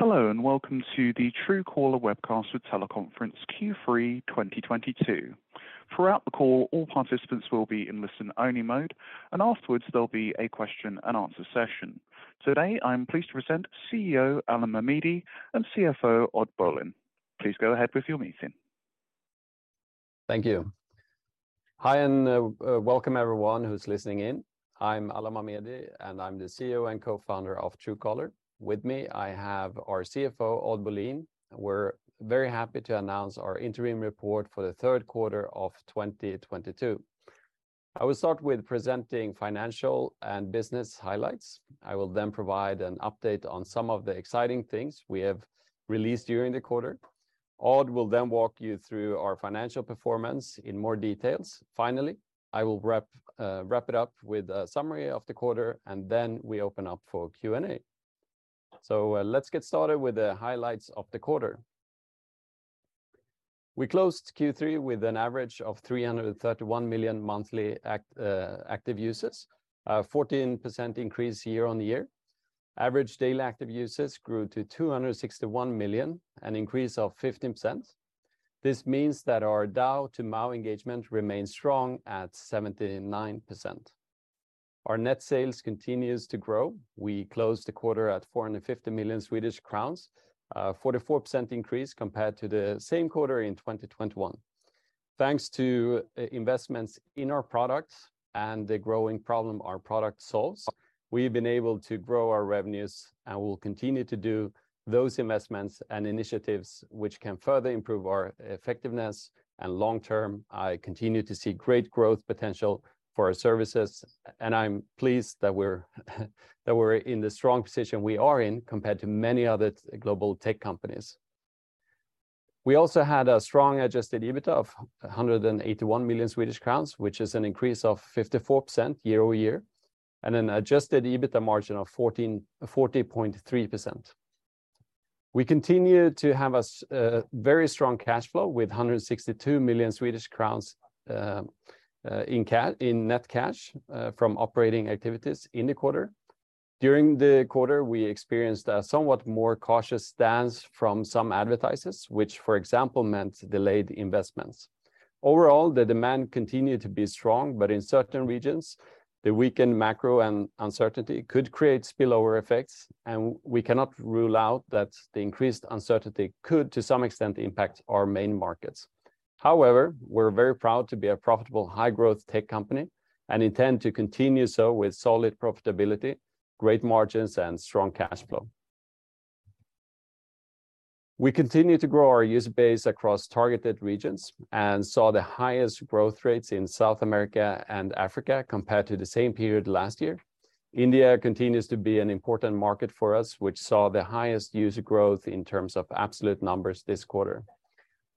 Hello and welcome to the Truecaller webcast with teleconference Q3 2022. Throughout the call, all participants will be in listen-only mode, and afterwards there'll be a question and answer session. Today, I'm pleased to present CEO Alan Mamedi and CFO Odd Bolin. Please go ahead with your meeting. Thank you. Hi, and welcome everyone who's listening in. I'm Alan Mamedi, and I'm the CEO and co-founder of Truecaller. With me, I have our CFO, Odd Bolin. We're very happy to announce our interim report for the third quarter of 2022. I will start with presenting financial and business highlights. I will then provide an update on some of the exciting things we have released during the quarter. Odd will then walk you through our financial performance in more details. Finally, I will wrap it up with a summary of the quarter, and then we open up for Q&A. Let's get started with the highlights of the quarter. We closed Q3 with an average of 331 million monthly active users, a 14% increase year-over-year. Average daily active users grew to 261 million, an increase of 15%. This means that our DAU to MAU engagement remains strong at 79%. Our net sales continues to grow. We closed the quarter at 450 million Swedish crowns, a 44% increase compared to the same quarter in 2021. Thanks to investments in our products and the growing problem our product solves, we've been able to grow our revenues and will continue to do those investments and initiatives which can further improve our effectiveness. Long term, I continue to see great growth potential for our services, and I'm pleased that we're in the strong position we are in compared to many other global tech companies. We had a strong adjusted EBITDA of 181 million Swedish crowns, which is an increase of 54% year-over-year, and an adjusted EBITDA margin of 40.3%. We continue to have a very strong cash flow with 162 million Swedish crowns in net cash from operating activities in the quarter. During the quarter, we experienced a somewhat more cautious stance from some advertisers, which for example meant delayed investments. Overall, the demand continued to be strong, but in certain regions, the weakened macro and uncertainty could create spillover effects, and we cannot rule out that the increased uncertainty could, to some extent, impact our main markets. However, we're very proud to be a profitable high-growth tech company and intend to continue so with solid profitability, great margins, and strong cash flow. We continue to grow our user base across targeted regions and saw the highest growth rates in South America and Africa compared to the same period last year. India continues to be an important market for us, which saw the highest user growth in terms of absolute numbers this quarter.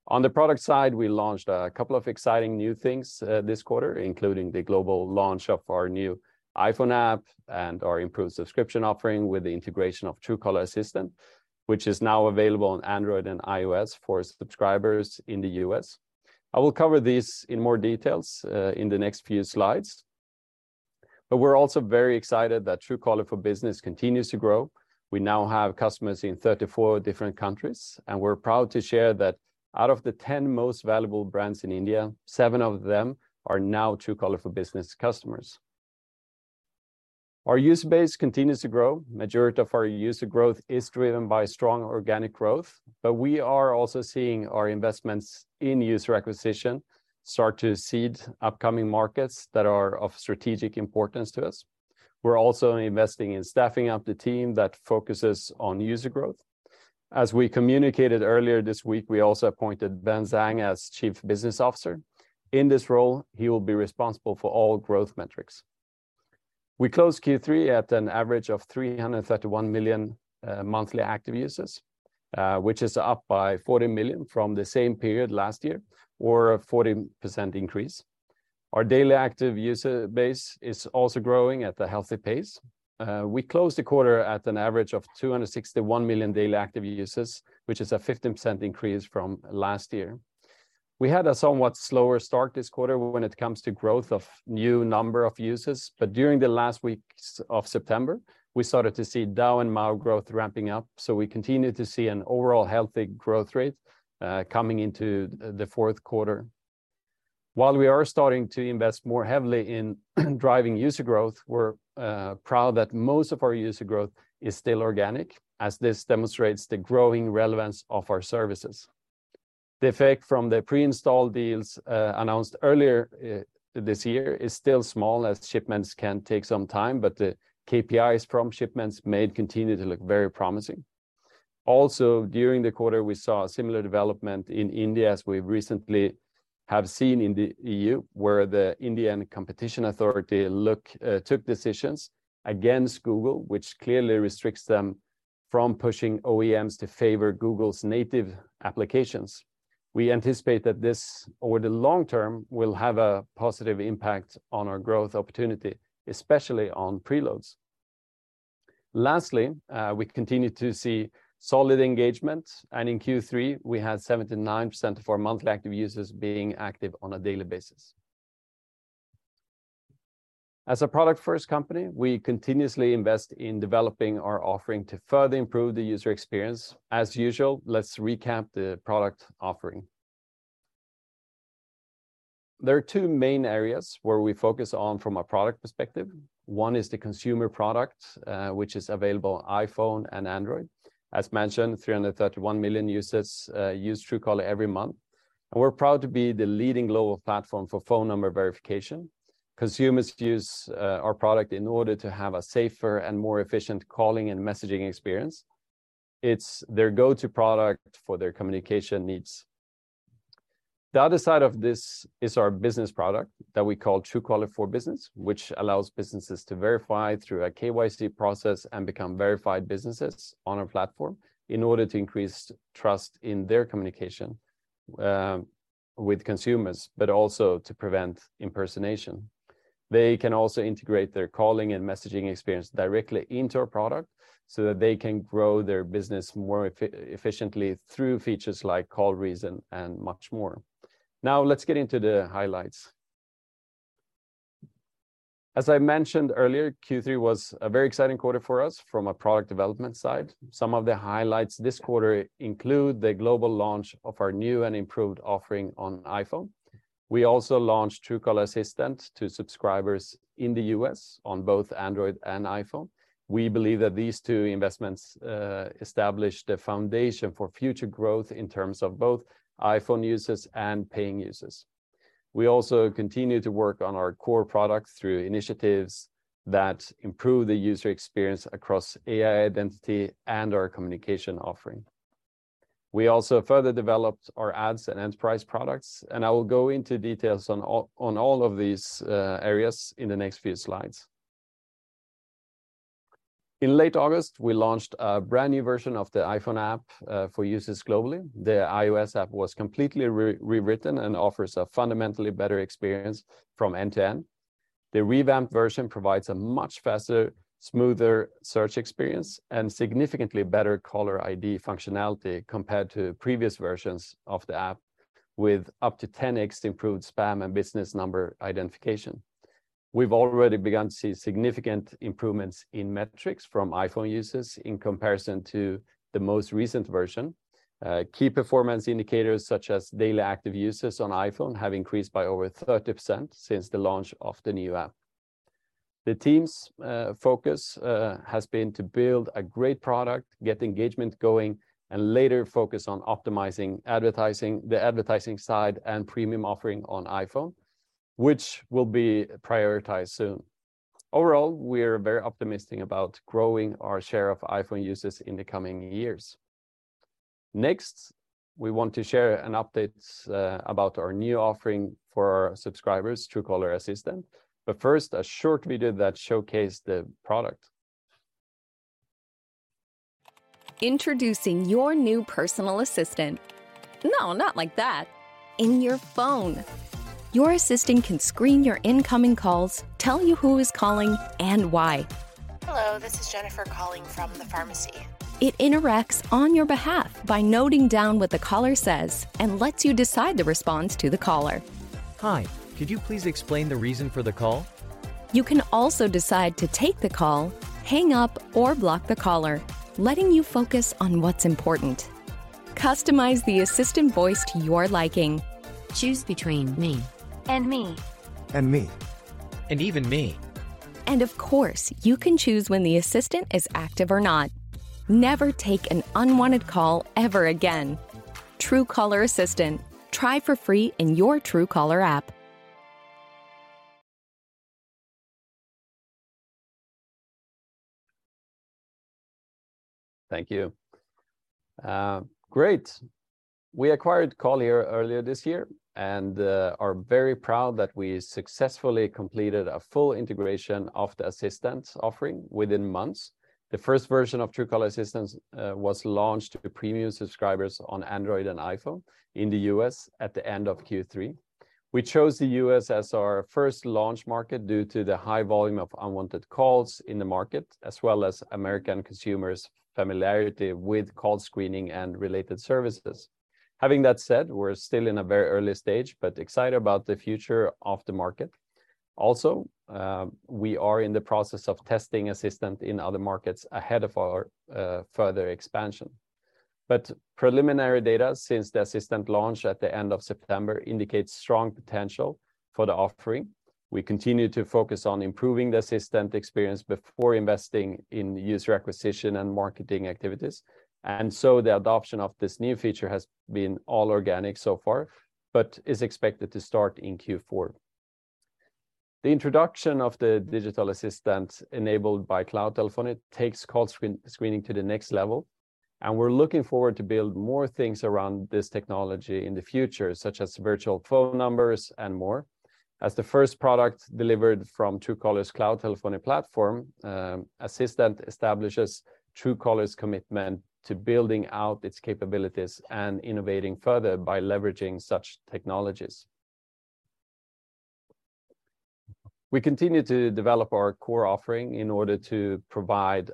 On the product side, we launched a couple of exciting new things this quarter, including the global launch of our new iPhone app and our improved subscription offering with the integration of Truecaller Assistant, which is now available on Android and iOS for subscribers in the U.S. I will cover these in more details in the next few slides. We're also very excited that Truecaller for Business continues to grow. We now have customers in 34 different countries, and we're proud to share that out of the 10 most valuable brands in India, seven of them are now Truecaller for Business customers. Our user base continues to grow. Majority of our user growth is driven by strong organic growth, but we are also seeing our investments in user acquisition start to seed upcoming markets that are of strategic importance to us. We're also investing in staffing up the team that focuses on user growth. As we communicated earlier this week, we also appointed Ben Zhang as Chief Business Officer. In this role, he will be responsible for all growth metrics. We closed Q3 at an average of 331 million monthly active users, which is up by 40 million from the same period last year or a 40% increase. Our daily active user base is also growing at a healthy pace. We closed the quarter at an average of 261 million daily active users, which is a 15% increase from last year. We had a somewhat slower start this quarter when it comes to growth of new number of users, but during the last weeks of September, we started to see DAU and MAU growth ramping up, so we continue to see an overall healthy growth rate, coming into the fourth quarter. While we are starting to invest more heavily in driving user growth, we're proud that most of our user growth is still organic, as this demonstrates the growing relevance of our services. The effect from the pre-install deals announced earlier this year is still small, as shipments can take some time, but the KPIs from shipments may continue to look very promising. During the quarter, we saw a similar development in India as we recently have seen in the EU, where the Competition Commission of India took decisions against Google, which clearly restricts them from pushing OEMs to favor Google's native applications. We anticipate that this, over the long term, will have a positive impact on our growth opportunity, especially on preloads. We continue to see solid engagement, and in Q3, we had 79% of our monthly active users being active on a daily basis. As a product first company, we continuously invest in developing our offering to further improve the user experience. As usual, let's recap the product offering. There are two main areas where we focus on from a product perspective. One is the consumer product, which is available on iPhone and Android. As mentioned, 331 million users use Truecaller every month, and we're proud to be the leading global platform for phone number verification. Consumers use our product in order to have a safer and more efficient calling and messaging experience. It's their go-to product for their communication needs. The other side of this is our business product that we call Truecaller for Business, which allows businesses to verify through a KYC process and become verified businesses on our platform in order to increase trust in their communication with consumers, but also to prevent impersonation. They can also integrate their calling and messaging experience directly into our product, so that they can grow their business more efficiently through features like call reason and much more. Now, let's get into the highlights. As I mentioned earlier, Q3 was a very exciting quarter for us from a product development side. Some of the highlights this quarter include the global launch of our new and improved offering on iPhone. We also launched Truecaller Assistant to subscribers in the U.S. on both Android and iPhone. We believe that these two investments establish the foundation for future growth in terms of both iPhone users and paying users. We also continue to work on our core products through initiatives that improve the user experience across AI identity and our communication offering. We also further developed our ads and enterprise products, and I will go into details on all of these areas in the next few slides. In late August, we launched a brand-new version of the iPhone app for users globally. The iOS app was completely rewritten and offers a fundamentally better experience from end to end. The revamped version provides a much faster, smoother search experience and significantly better caller ID functionality compared to previous versions of the app, with up to 10x improved spam and business number identification. We've already begun to see significant improvements in metrics from iPhone users in comparison to the most recent version. Key Performance Indicators, such as daily active users on iPhone, have increased by over 30% since the launch of the new app. The team's focus has been to build a great product, get engagement going, and later focus on optimizing advertising, the advertising side and premium offering on iPhone, which will be prioritized soon. Overall, we're very optimistic about growing our share of iPhone users in the coming years. Next, we want to share an update about our new offering for our subscribers, Truecaller Assistant. First, a short video that showcases the product. Introducing your new personal assistant. No, not like that. In your phone. Your assistant can screen your incoming calls, tell you who is calling and why. Hello, this is Jennifer calling from the pharmacy. It interacts on your behalf by noting down what the caller says and lets you decide the response to the caller. Hi, could you please explain the reason for the call? You can also decide to take the call, hang up, or block the caller, letting you focus on what's important. Customize the assistant voice to your liking. Choose between me. me. me. Even me. Of course, you can choose when the assistant is active or not. Never take an unwanted call ever again. Truecaller Assistant, try for free in your Truecaller app. Thank you. Great. We acquired CallHero earlier this year and are very proud that we successfully completed a full integration of the assistant offering within months. The first version of Truecaller Assistant was launched to premium subscribers on Android and iPhone in the U.S. at the end of Q3. We chose the U.S. as our first launch market due to the high volume of unwanted calls in the market, as well as American consumers' familiarity with call screening and related services. Having that said, we're still in a very early stage but excited about the future of the market. Also, we are in the process of testing Assistant in other markets ahead of our further expansion. Preliminary data since the Assistant launch at the end of September indicates strong potential for the offering. We continue to focus on improving the Assistant experience before investing in user acquisition and marketing activities. The adoption of this new feature has been all organic so far but is expected to start in Q4. The introduction of the digital assistant enabled by cloud telephony takes call screening to the next level, and we're looking forward to build more things around this technology in the future, such as virtual phone numbers and more. As the first product delivered from Truecaller's cloud telephony platform, Assistant establishes Truecaller's commitment to building out its capabilities and innovating further by leveraging such technologies. We continue to develop our core offering in order to provide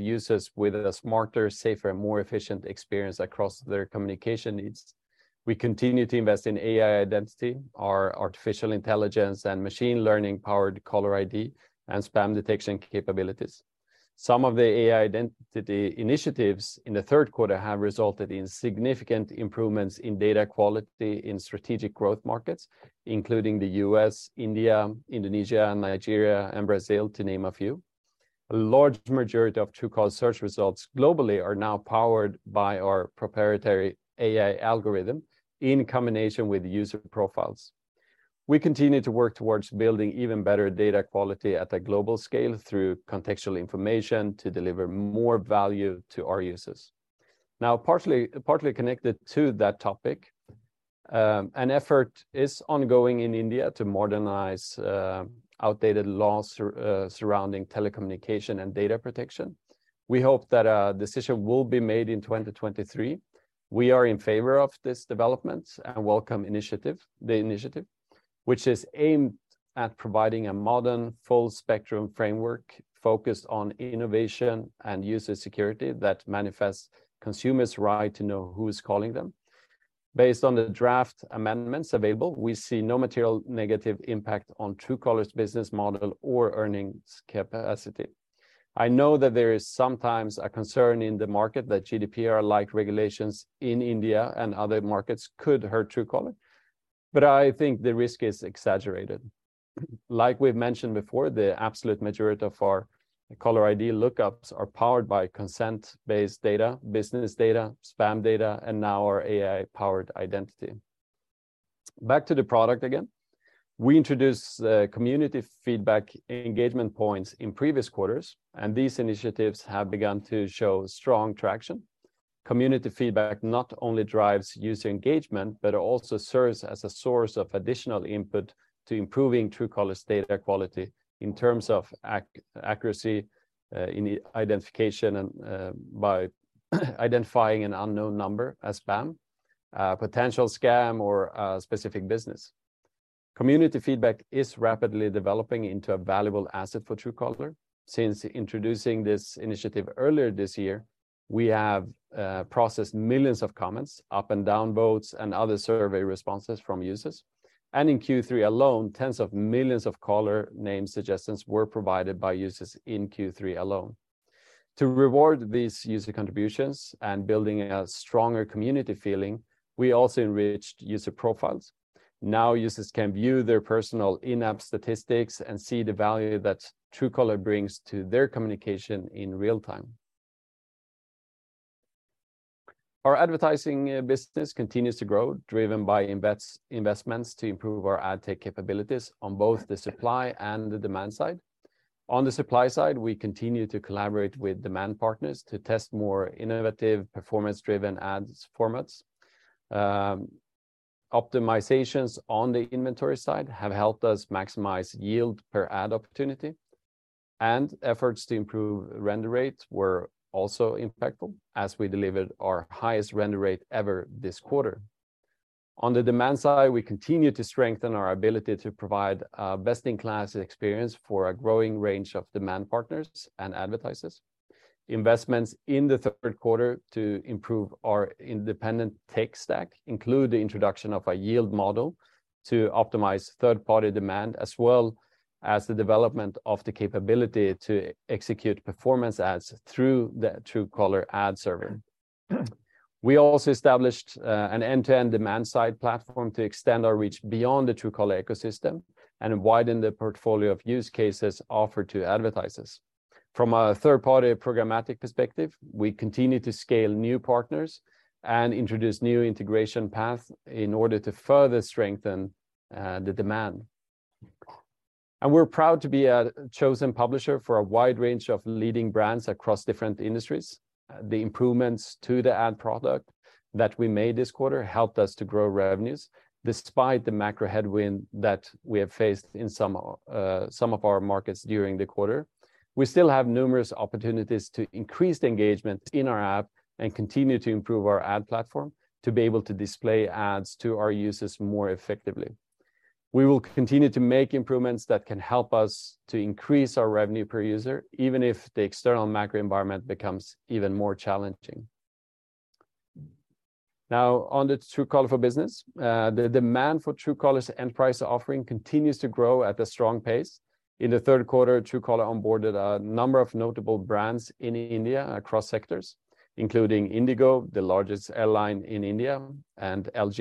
users with a smarter, safer, and more efficient experience across their communication needs. We continue to invest in AI identity, our artificial intelligence and machine learning-powered caller ID and spam detection capabilities. Some of the AI identity initiatives in the third quarter have resulted in significant improvements in data quality in strategic growth markets, including the U.S., India, Indonesia, Nigeria, and Brazil, to name a few. A large majority of Truecaller search results globally are now powered by our proprietary AI algorithm in combination with user profiles. We continue to work towards building even better data quality at a global scale through contextual information to deliver more value to our users. Now, partially connected to that topic, an effort is ongoing in India to modernize outdated laws surrounding telecommunication and data protection. We hope that a decision will be made in 2023. We are in favor of this development and welcome initiative. The initiative, which is aimed at providing a modern, full-spectrum framework focused on innovation and user security that manifests consumers' right to know who is calling them. Based on the draft amendments available, we see no material negative impact on Truecaller's business model or earnings capacity. I know that there is sometimes a concern in the market that GDPR-like regulations in India and other markets could hurt Truecaller, but I think the risk is exaggerated. Like we've mentioned before, the absolute majority of our caller ID lookups are powered by consent-based data, business data, spam data, and now our AI-powered identity. Back to the product again. We introduced community feedback engagement points in previous quarters, and these initiatives have begun to show strong traction. Community feedback not only drives user engagement, but it also serves as a source of additional input to improving Truecaller's data quality in terms of accuracy in identification and by identifying an unknown number as spam, a potential scam or a specific business. Community feedback is rapidly developing into a valuable asset for Truecaller. Since introducing this initiative earlier this year, we have processed millions of comments, up and down votes, and other survey responses from users. In Q3 alone, tens of millions of caller name suggestions were provided by users in Q3 alone. To reward these user contributions and building a stronger community feeling, we also enriched user profiles. Now users can view their personal in-app statistics and see the value that Truecaller brings to their communication in real time. Our advertising business continues to grow, driven by investments to improve our ad tech capabilities on both the supply and the demand side. On the supply side, we continue to collaborate with demand partners to test more innovative, performance-driven ad formats. Optimizations on the inventory side have helped us maximize yield per ad opportunity and efforts to improve render rates were also impactful as we delivered our highest render rate ever this quarter. On the demand side, we continue to strengthen our ability to provide a best-in-class experience for a growing range of demand partners and advertisers. Investments in the third quarter to improve our independent tech stack include the introduction of a yield model to optimize third-party demand, as well as the development of the capability to execute performance ads through the Truecaller ad server. We also established an end-to-end demand side platform to extend our reach beyond the Truecaller ecosystem and widen the portfolio of use cases offered to advertisers. From a third-party programmatic perspective, we continue to scale new partners and introduce new integration paths in order to further strengthen the demand. We're proud to be a chosen publisher for a wide range of leading brands across different industries. The improvements to the ad product that we made this quarter helped us to grow revenues despite the macro headwind that we have faced in some of our markets during the quarter. We still have numerous opportunities to increase the engagement in our app and continue to improve our ad platform to be able to display ads to our users more effectively. We will continue to make improvements that can help us to increase our revenue per user, even if the external macro environment becomes even more challenging. Now on the Truecaller for Business, the demand for Truecaller's enterprise offering continues to grow at a strong pace. In the third quarter, Truecaller onboarded a number of notable brands in India across sectors including IndiGo, the largest airline in India, and LG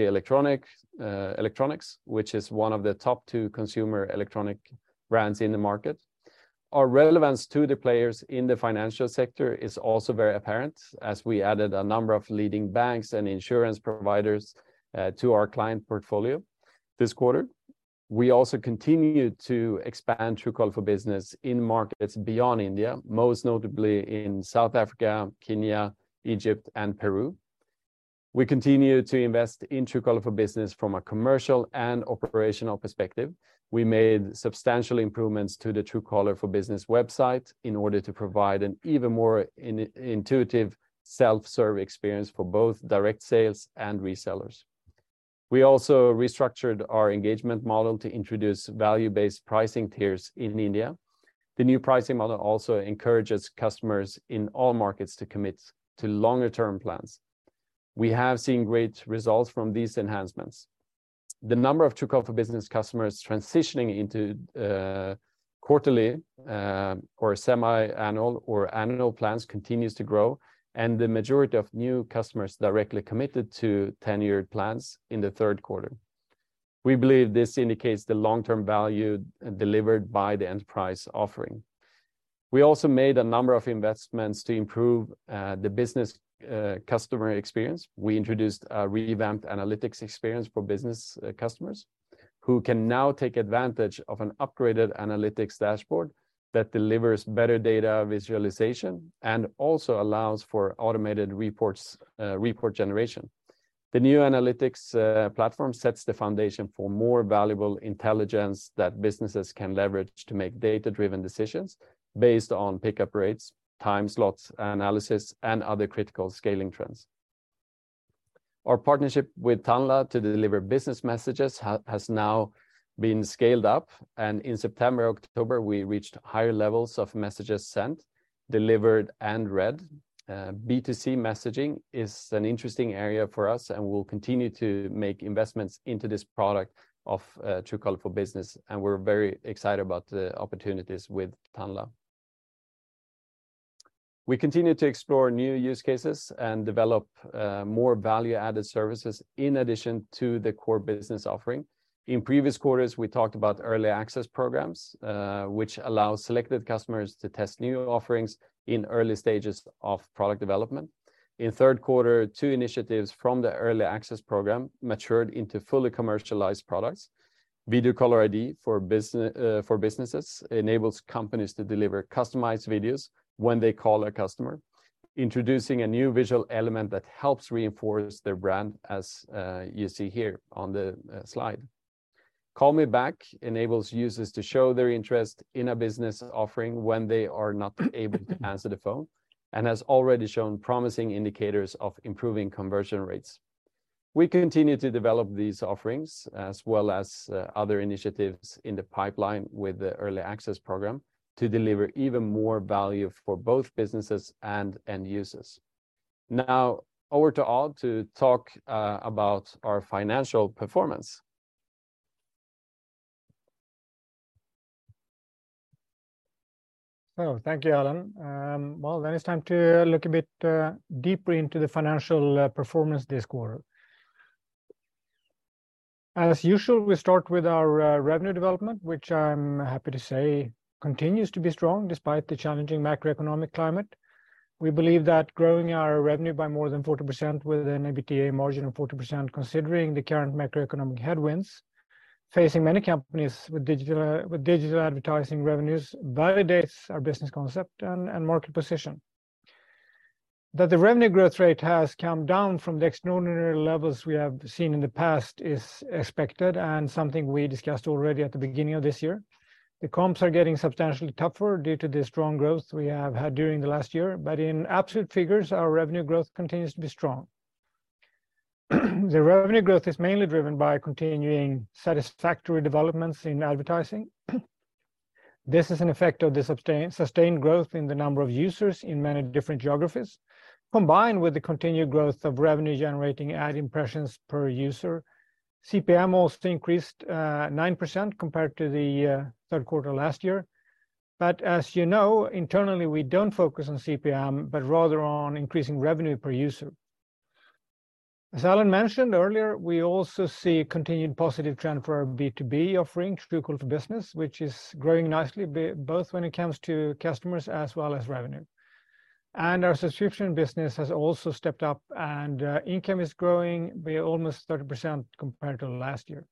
Electronics, which is one of the top two consumer electronic brands in the market. Our relevance to the players in the financial sector is also very apparent as we added a number of leading banks and insurance providers to our client portfolio this quarter. We also continue to expand Truecaller for Business in markets beyond India, most notably in South Africa, Kenya, Egypt and Peru. We continue to invest in Truecaller for Business from a commercial and operational perspective. We made substantial improvements to the Truecaller for Business website in order to provide an even more intuitive self-serve experience for both direct sales and resellers. We also restructured our engagement model to introduce value-based pricing tiers in India. The new pricing model also encourages customers in all markets to commit to longer-term plans. We have seen great results from these enhancements. The number of Truecaller for Business customers transitioning into quarterly or semiannual or annual plans continues to grow, and the majority of new customers directly committed to tenured plans in the third quarter. We believe this indicates the long-term value delivered by the enterprise offering. We also made a number of investments to improve the business customer experience. We introduced a revamped analytics experience for business customers who can now take advantage of an upgraded analytics dashboard that delivers better data visualization and also allows for automated reports, report generation. The new analytics platform sets the foundation for more valuable intelligence that businesses can leverage to make data-driven decisions based on pickup rates, time slots, analysis, and other critical scaling trends. Our partnership with Tanla to deliver business messages has now been scaled up, and in September, October, we reached higher levels of messages sent, delivered, and read. B2C messaging is an interesting area for us, and we'll continue to make investments into this product of Truecaller for Business, and we're very excited about the opportunities with Tanla. We continue to explore new use cases and develop more value-added services in addition to the core business offering. In previous quarters, we talked about early access programs, which allow selected customers to test new offerings in early stages of product development. In third quarter, two initiatives from the early access program matured into fully commercialized products. Video Caller ID for Business for businesses enables companies to deliver customized videos when they call a customer, introducing a new visual element that helps reinforce their brand as you see here on the slide. Call Me Back enables users to show their interest in a business offering when they are not able to answer the phone and has already shown promising indicators of improving conversion rates. We continue to develop these offerings as well as other initiatives in the pipeline with the early access program to deliver even more value for both businesses and end users. Now over to Odd to talk about our financial performance. Oh, thank you, Alan. Well, it's time to look a bit deeper into the financial performance this quarter. As usual, we start with our revenue development, which I'm happy to say continues to be strong despite the challenging macroeconomic climate. We believe that growing our revenue by more than 40% with an EBITDA margin of 40%, considering the current macroeconomic headwinds facing many companies with digital advertising revenues, validates our business concept and market position. That the revenue growth rate has come down from the extraordinary levels we have seen in the past is expected and something we discussed already at the beginning of this year. The comps are getting substantially tougher due to the strong growth we have had during the last year. In absolute figures, our revenue growth continues to be strong. The revenue growth is mainly driven by continuing satisfactory developments in advertising. This is an effect of the sustained growth in the number of users in many different geographies, combined with the continued growth of revenue generating ad impressions per user. CPM also increased 9% compared to the third quarter last year. As you know, internally, we don't focus on CPM, but rather on increasing revenue per user. As Alan mentioned earlier, we also see continued positive trend for our B2B offering, Truecaller business, which is growing nicely both when it comes to customers as well as revenue. Our subscription business has also stepped up and income is growing by almost 30% compared to last year.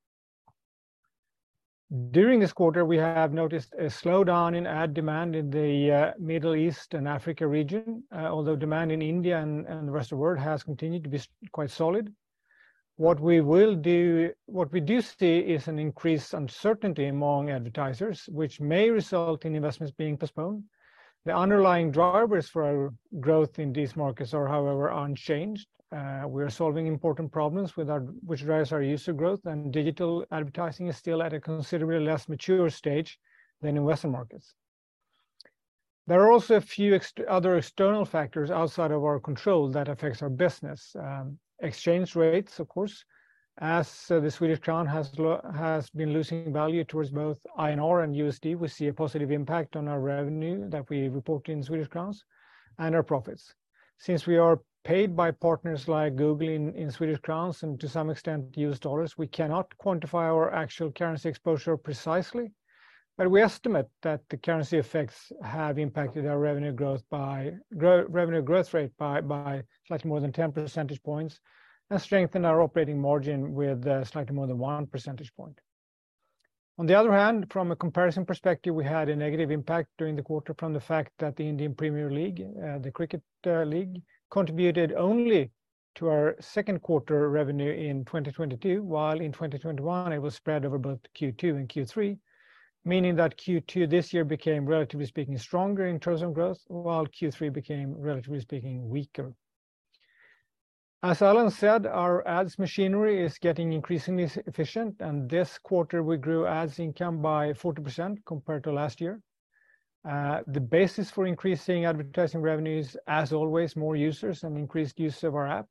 During this quarter, we have noticed a slowdown in ad demand in the Middle East and Africa region. Although demand in India and the rest of the world has continued to be quite solid. What we do see is an increased uncertainty among advertisers, which may result in investments being postponed. The underlying drivers for our growth in these markets are, however, unchanged. We are solving important problems with our, which drives our user growth, and digital advertising is still at a considerably less mature stage than in Western markets. There are also a few other external factors outside of our control that affects our business. Exchange rates, of course, as the Swedish crown has been losing value towards both INR and USD, we see a positive impact on our revenue that we report in Swedish crowns and our profits. Since we are paid by partners like Google in Swedish crowns and to some extent U.S. dollars, we cannot quantify our actual currency exposure precisely. We estimate that the currency effects have impacted our revenue growth rate by slightly more than 10 percentage points and strengthen our operating margin with slightly more than one percentage point. On the other hand, from a comparison perspective, we had a negative impact during the quarter from the fact that the Indian Premier League, the cricket league, contributed only to our second quarter revenue in 2022, while in 2021, it was spread over both Q2 and Q3, meaning that Q2 this year became, relatively speaking, stronger in terms of growth, while Q3 became, relatively speaking, weaker. As Alan said, our ads machinery is getting increasingly efficient, and this quarter we grew ads income by 40% compared to last year. The basis for increasing advertising revenues, as always, more users and increased use of our app.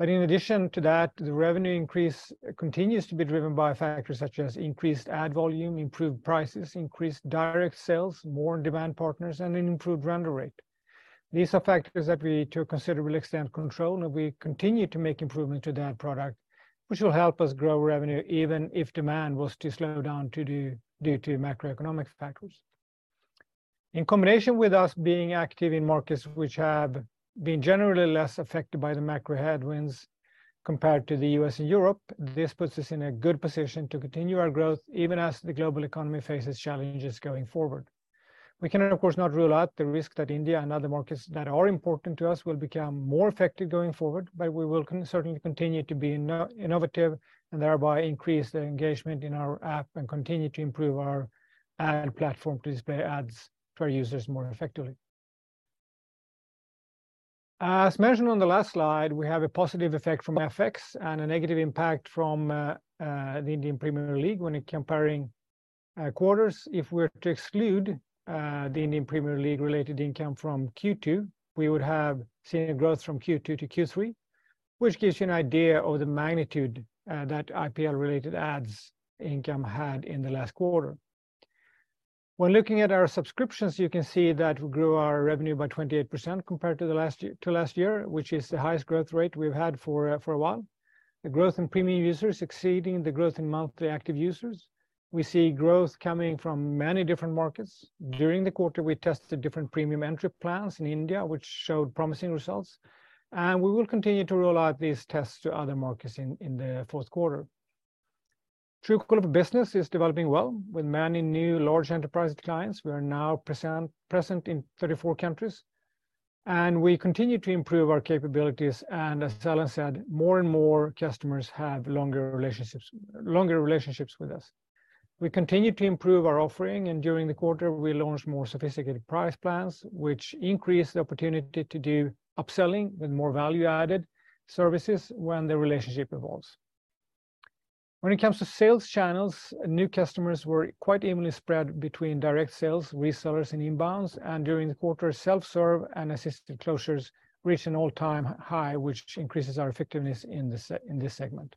In addition to that, the revenue increase continues to be driven by factors such as increased ad volume, improved prices, increased direct sales, more on-demand partners, and an improved render rate. These are factors that we to a considerable extent control, and we continue to make improvements to that product, which will help us grow revenue even if demand was to slow down due to macroeconomic factors. In combination with us being active in markets which have been generally less affected by the macro headwinds compared to the U.S. and Europe, this puts us in a good position to continue our growth even as the global economy faces challenges going forward. We can of course not rule out the risk that India and other markets that are important to us will become more affected going forward, but we will certainly continue to be innovative and thereby increase the engagement in our app and continue to improve our ad platform to display ads to our users more effectively. As mentioned on the last slide, we have a positive effect from FX and a negative impact from the Indian Premier League when comparing quarters. If we're to exclude the Indian Premier League related income from Q2, we would have seen a growth from Q2 to Q3, which gives you an idea of the magnitude that IPL related ads income had in the last quarter. When looking at our subscriptions, you can see that we grew our revenue by 28% compared to last year, which is the highest growth rate we've had for a while. The growth in premium users exceeding the growth in monthly active users. We see growth coming from many different markets. During the quarter, we tested different premium entry plans in India, which showed promising results, and we will continue to roll out these tests to other markets in the fourth quarter. Truecaller business is developing well with many new large enterprise clients. We are now present in 34 countries, and we continue to improve our capabilities. As Alan said, more and more customers have longer relationships with us. We continue to improve our offering, and during the quarter, we launched more sophisticated price plans, which increased the opportunity to do upselling with more value-added services when the relationship evolves. When it comes to sales channels, new customers were quite evenly spread between direct sales, resellers, and inbounds, and during the quarter, self-serve and assisted closures reached an all-time high, which increases our effectiveness in this segment.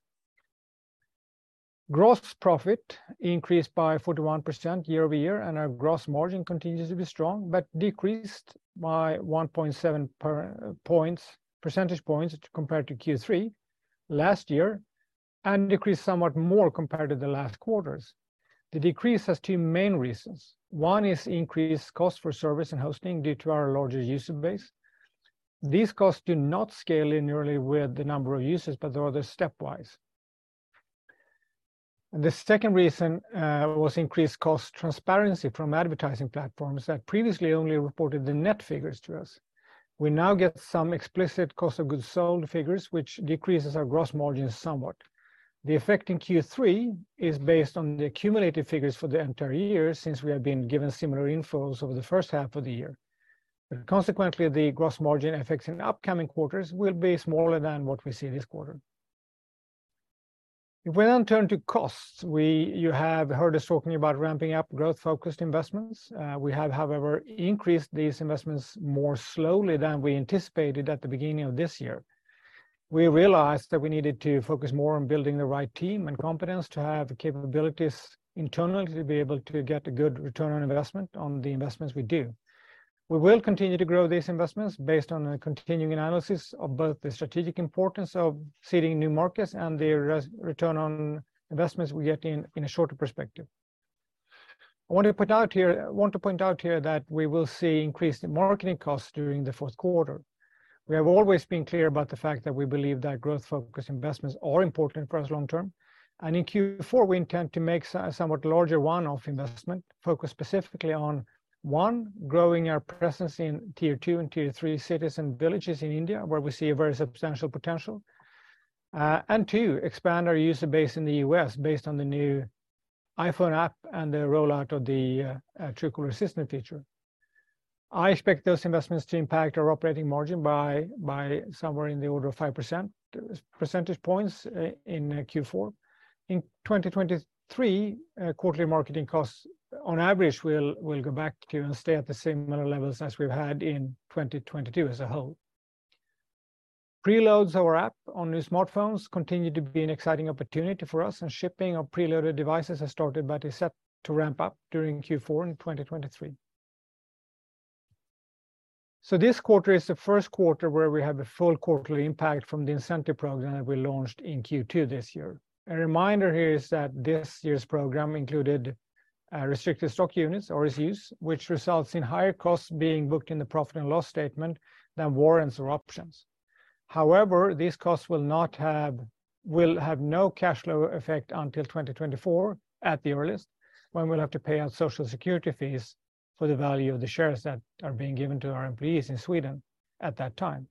Gross profit increased by 41% year-over-year, and our gross margin continues to be strong, but decreased by 1.7 percentage points compared to Q3 last year, and decreased somewhat more compared to the last quarters. The decrease has two main reasons. One is increased cost for service and hosting due to our larger user base. These costs do not scale linearly with the number of users, but rather stepwise. The second reason was increased cost transparency from advertising platforms that previously only reported the net figures to us. We now get some explicit cost of goods sold figures, which decreases our gross margins somewhat. The effect in Q3 is based on the accumulated figures for the entire year, since we have been given similar infos over the first half of the year. Consequently, the gross margin effects in upcoming quarters will be smaller than what we see this quarter. If we then turn to costs. You have heard us talking about ramping up growth-focused investments. We have, however, increased these investments more slowly than we anticipated at the beginning of this year. We realized that we needed to focus more on building the right team and competence to have the capabilities internally to be able to get a good return on investment on the investments we do. We will continue to grow these investments based on a continuing analysis of both the strategic importance of seeding new markets and the return on investments we get in a shorter perspective. I want to point out here that we will see increased marketing costs during the fourth quarter. We have always been clear about the fact that we believe that growth-focused investments are important for us long term. In Q4, we intend to make somewhat larger one-off investment focused specifically on, one, growing our presence in tier two and tier three cities and villages in India, where we see a very substantial potential. Two, expand our user base in the U.S. based on the new iPhone app and the rollout of the Truecaller Assistant feature. I expect those investments to impact our operating margin by somewhere in the order of 5 percentage points in Q4. In 2023, quarterly marketing costs on average will go back to and stay at the similar levels as we've had in 2022 as a whole. Preloads of our app on new smartphones continue to be an exciting opportunity for us, and shipping of preloaded devices has started but is set to ramp up during Q4 in 2023. This quarter is the first quarter where we have a full quarterly impact from the incentive program that we launched in Q2 this year. A reminder here is that this year's program included restricted stock units or RSUs, which results in higher costs being booked in the profit and loss statement than warrants or options. However, these costs will have no cash flow effect until 2024 at the earliest, when we'll have to pay out Social Security fees for the value of the shares that are being given to our employees in Sweden at that time.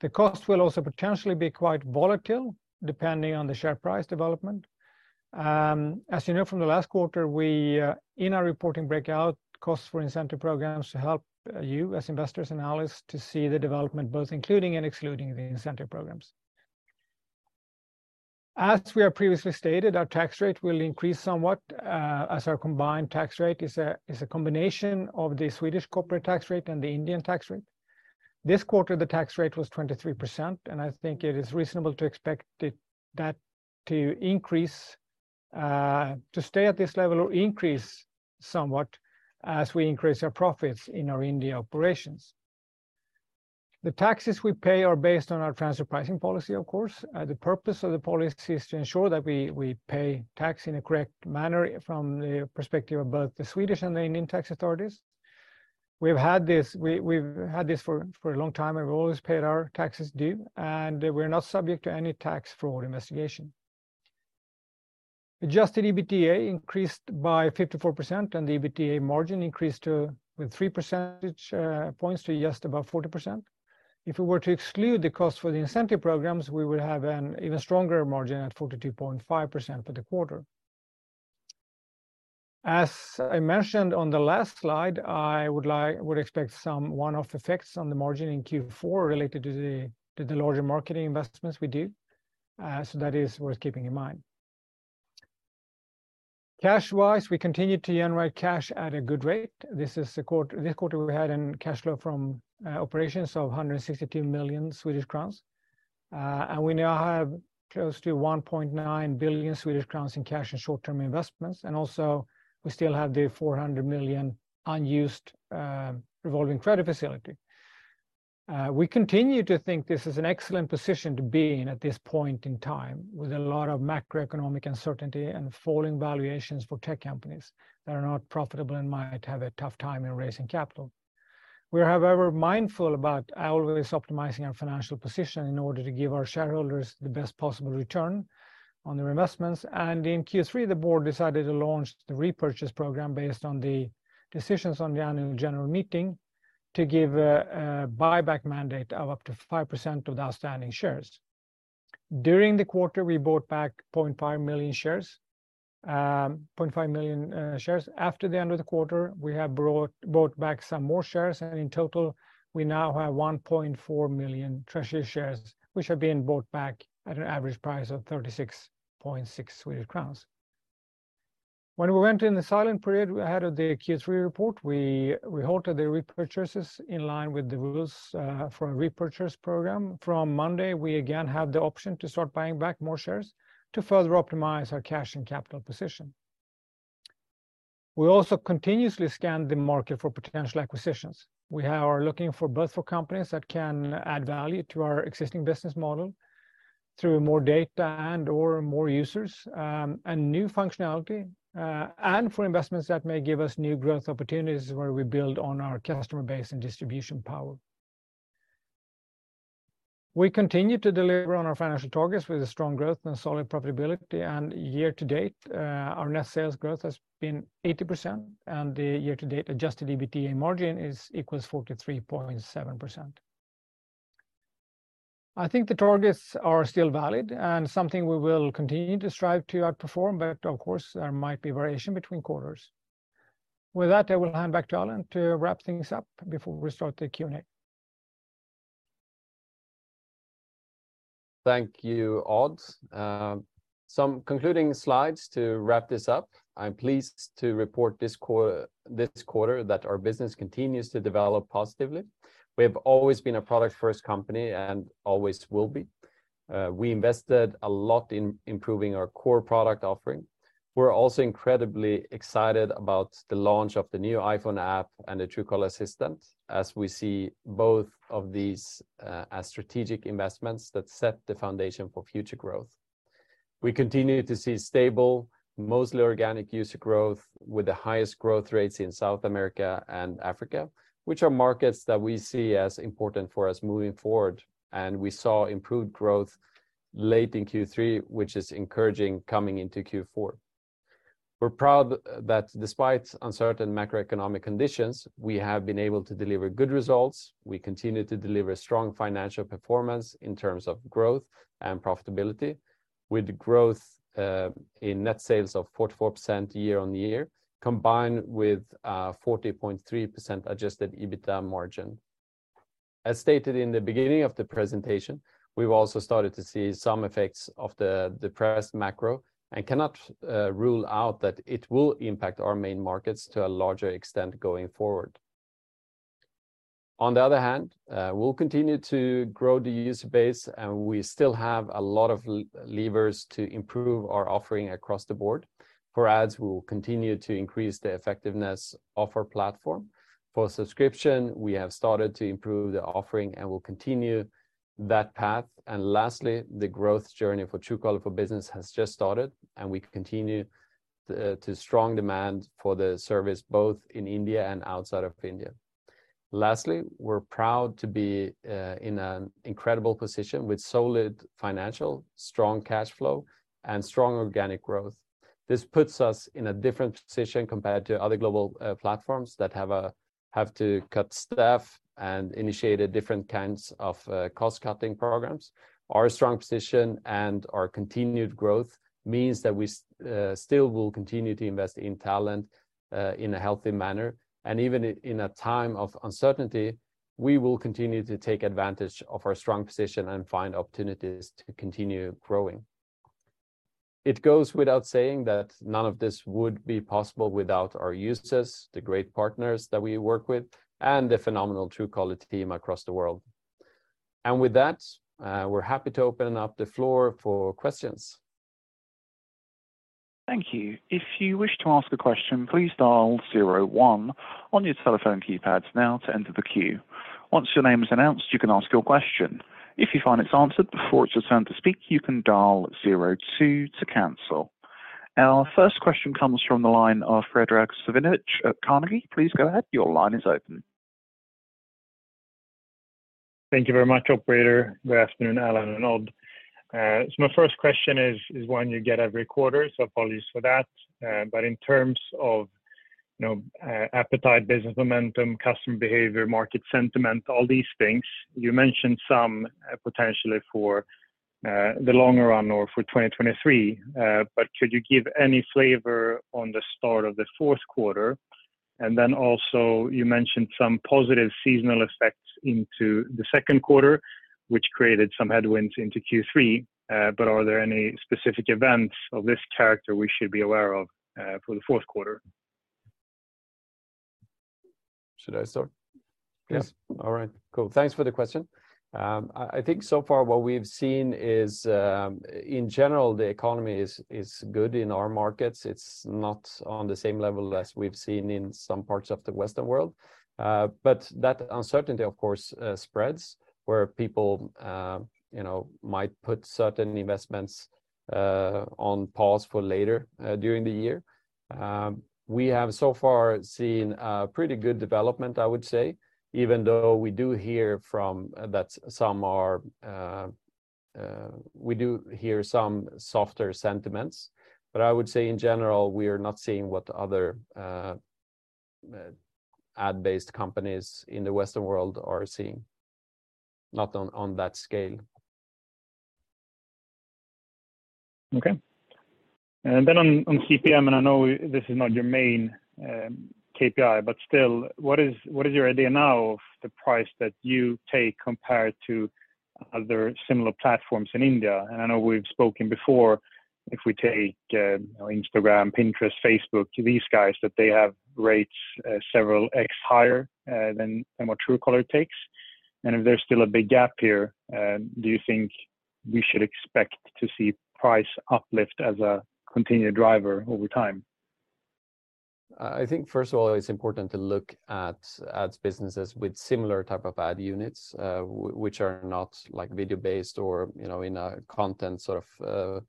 The cost will also potentially be quite volatile depending on the share price development. As you know from the last quarter, we in our reporting breakout, costs for incentive programs help you as investors and analysts to see the development, both including and excluding the incentive programs. As we have previously stated, our tax rate will increase somewhat, as our combined tax rate is a combination of the Swedish corporate tax rate and the Indian tax rate. This quarter, the tax rate was 23%, and I think it is reasonable to expect that to increase, to stay at this level or increase somewhat as we increase our profits in our India operations. The taxes we pay are based on our transfer pricing policy, of course. The purpose of the policy is to ensure that we pay tax in a correct manner from the perspective of both the Swedish and the Indian tax authorities. We've had this for a long time, and we've always paid our taxes due, and we're not subject to any tax fraud investigation. Adjusted EBITDA increased by 54%, and the EBITDA margin increased by three percentage points to just above 40%. If we were to exclude the cost for the incentive programs, we would have an even stronger margin at 42.5% for the quarter. As I mentioned on the last slide, I would expect some one-off effects on the margin in Q4 related to the larger marketing investments we do. That is worth keeping in mind. Cash-wise, we continued to generate cash at a good rate. This quarter, we had a cash flow from operations of 162 million Swedish crowns. We now have close to 1.9 billion Swedish crowns in cash and short-term investments. We still have the 400 million unused revolving credit facility. We continue to think this is an excellent position to be in at this point in time, with a lot of macroeconomic uncertainty and falling valuations for tech companies that are not profitable and might have a tough time in raising capital. We are, however, mindful about always optimizing our financial position in order to give our shareholders the best possible return on their investments. In Q3, the board decided to launch the repurchase program based on the decisions on the annual general meeting to give a buyback mandate of up to 5% of the outstanding shares. During the quarter, we bought back 0.5 million shares. After the end of the quarter, we have bought back some more shares, and in total, we now have 1.4 million treasury shares, which have been bought back at an average price of 36.6 Swedish crowns. When we went in the silent period ahead of the Q3 report, we halted the repurchases in line with the rules for a repurchase program. From Monday, we again have the option to start buying back more shares to further optimize our cash and capital position. We also continuously scan the market for potential acquisitions. We are looking for both for companies that can add value to our existing business model through more data and/or more users, and new functionality, and for investments that may give us new growth opportunities where we build on our customer base and distribution power. We continue to deliver on our financial targets with a strong growth and solid profitability, and year-to-date, our net sales growth has been 80%, and the year-to-date adjusted EBITDA margin is equals 43.7%. I think the targets are still valid and something we will continue to strive to outperform, but of course, there might be variation between quarters. With that, I will hand back to Alan to wrap things up before we start the Q&A. Thank you, Odd. Some concluding slides to wrap this up. I'm pleased to report this quarter that our business continues to develop positively. We have always been a product-first company and always will be. We invested a lot in improving our core product offering. We're also incredibly excited about the launch of the new iPhone app and the Truecaller Assistant, as we see both of these as strategic investments that set the foundation for future growth. We continue to see stable, mostly organic user growth with the highest growth rates in South America and Africa, which are markets that we see as important for us moving forward, and we saw improved growth late in Q3, which is encouraging coming into Q4. We're proud that despite uncertain macroeconomic conditions, we have been able to deliver good results. We continue to deliver strong financial performance in terms of growth and profitability, with growth in net sales of 44% year-on-year, combined with a 40.3% adjusted EBITDA margin. As stated in the beginning of the presentation, we've also started to see some effects of the depressed macro and cannot rule out that it will impact our main markets to a larger extent going forward. On the other hand, we'll continue to grow the user base, and we still have a lot of levers to improve our offering across the board. For ads, we will continue to increase the effectiveness of our platform. For subscription, we have started to improve the offering, and we'll continue that path. Lastly, the growth journey for Truecaller for Business has just started, and we continue to see strong demand for the service, both in India and outside of India. Lastly, we're proud to be in an incredible position with solid financials, strong cash flow, and strong organic growth. This puts us in a different position compared to other global platforms that have to cut staff and initiate different kinds of cost-cutting programs. Our strong position and our continued growth means that we still will continue to invest in talent in a healthy manner. Even in a time of uncertainty, we will continue to take advantage of our strong position and find opportunities to continue growing. It goes without saying that none of this would be possible without our users, the great partners that we work with, and the phenomenal Truecaller team across the world. With that, we're happy to open up the floor for questions. Thank you. If you wish to ask a question, please dial zero one on your telephone keypads now to enter the queue. Once your name is announced, you can ask your question. If you find it's answered before it's your turn to speak, you can dial zero two to cancel. Our first question comes from the line of Fredrik Svanvik at Carnegie. Please go ahead. Your line is open. Thank you very much, operator. Good afternoon, Alan and Odd. My first question is one you get every quarter, so apologies for that. In terms of, you know, appetite, business momentum, customer behavior, market sentiment, all these things, you mentioned some potentially for the longer run or for 2023. Could you give any flavor on the start of the fourth quarter? Then also you mentioned some positive seasonal effects into the second quarter, which created some headwinds into Q3. Are there any specific events of this character we should be aware of for the fourth quarter? Should I start? Yes. All right, cool. Thanks for the question. I think so far what we've seen is, in general, the economy is good in our markets. It's not on the same level as we've seen in some parts of the Western world. That uncertainty, of course, spreads where people, you know, might put certain investments on pause for later during the year. We have so far seen a pretty good development, I would say, even though we do hear some softer sentiments. I would say in general, we are not seeing what other ad-based companies in the Western world are seeing, not on that scale. Okay. On CPM, I know this is not your main KPI, but still, what is your idea now of the price that you take compared to other similar platforms in India? I know we've spoken before, if we take you know Instagram, Pinterest, Facebook, these guys, that they have rates several X higher than what Truecaller takes. If there's still a big gap here, do you think we should expect to see price uplift as a continued driver over time? I think first of all, it's important to look at ads businesses with similar type of ad units, which are not like video-based or, you know, in a content sort of,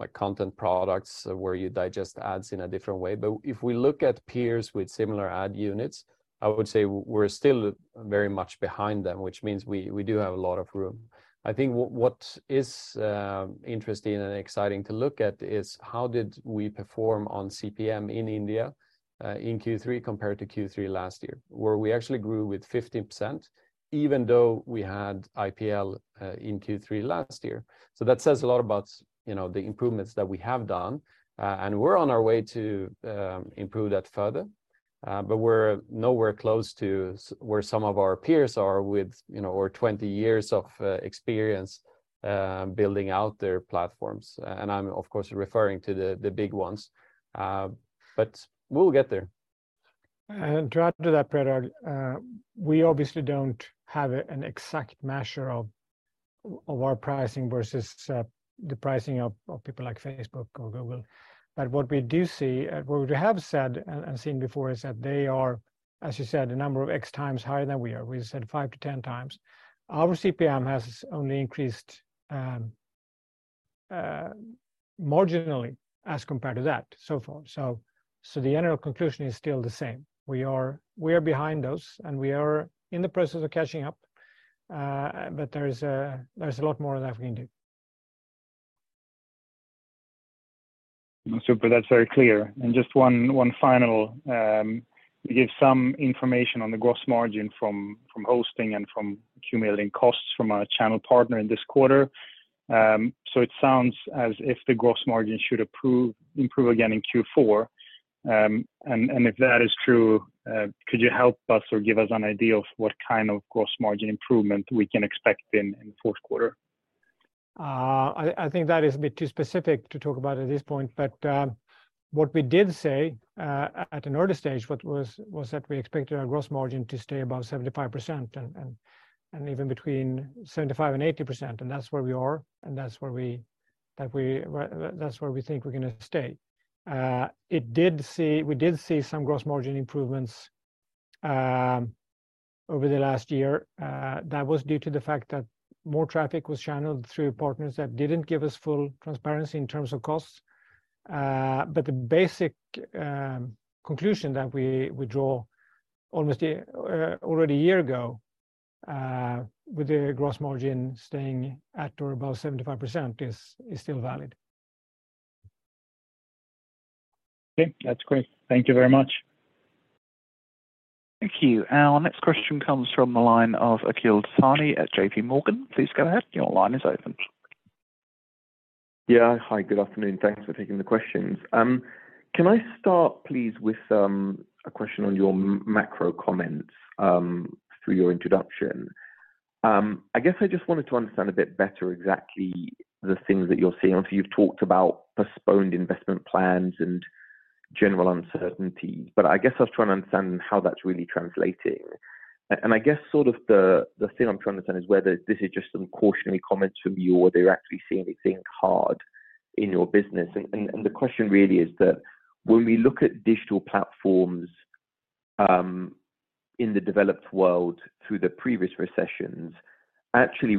like content products where you digest ads in a different way. If we look at peers with similar ad units, I would say we're still very much behind them, which means we do have a lot of room. I think what is interesting and exciting to look at is how did we perform on CPM in India, in Q3 compared to Q3 last year, where we actually grew with 50% even though we had IPL in Q3 last year. That says a lot about, you know, the improvements that we have done, and we're on our way to improve that further. We're nowhere close to where some of our peers are with, you know, or 20 years of experience building out their platforms. I'm of course referring to the big ones, but we'll get there. To add to that, Fredrik, we obviously don't have an exact measure of our pricing versus the pricing of people like Facebook or Google. But what we do see, what we have said and seen before is that they are, as you said, a number of X times higher than we are. We said 5-10 times. Our CPM has only increased marginally as compared to that so far. So the general conclusion is still the same. We are behind those, and we are in the process of catching up. But there is a lot more that we can do. Super. That's very clear. Just one final. You gave some information on the gross margin from hosting and from accumulating costs from our channel partner in this quarter. It sounds as if the gross margin should improve again in Q4. If that is true, could you help us or give us an idea of what kind of gross margin improvement we can expect in the fourth quarter? I think that is a bit too specific to talk about at this point, but what we did say at an early stage was that we expected our gross margin to stay above 75% and even between 75%-80%. That's where we are, and that's where we think we're gonna stay. We did see some gross margin improvements over the last year. That was due to the fact that more traffic was channeled through partners that didn't give us full transparency in terms of costs. The basic conclusion that we draw almost already a year ago with the gross margin staying at or above 75% is still valid. Okay. That's great. Thank you very much. Thank you. Our next question comes from the line of Akhil Dattani at JPMorgan. Please go ahead. Your line is open. Yeah. Hi. Good afternoon. Thanks for taking the questions. Can I start, please, with a question on your macro comment through your introduction? I guess I just wanted to understand a bit better exactly the things that you're seeing. I know you've talked about postponed investment plans and general uncertainty, but I guess I was trying to understand how that's really translating. I guess sort of the thing I'm trying to understand is whether this is just some cautionary comments from you, or are you actually seeing it being hard in your business. The question really is that when we look at digital platforms in the developed world through the previous recessions actually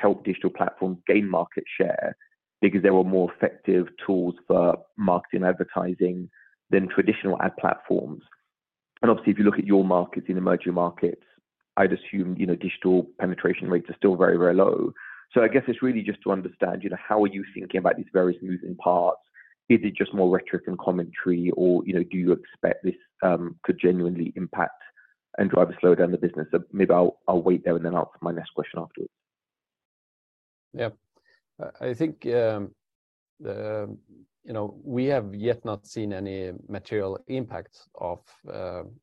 helped digital platforms gain market share because there were more effective tools for marketing and advertising than traditional ad platforms. Obviously, if you look at your markets in emerging markets, I'd assume, you know, digital penetration rates are still very, very low. I guess it's really just to understand, you know, how are you thinking about these various moving parts? Is it just more rhetoric and commentary or, you know, do you expect this to genuinely impact and drive a slowdown in the business? Maybe I'll wait there and then I'll ask my next question afterwards. Yeah. I think, you know, we have yet not seen any material impact of,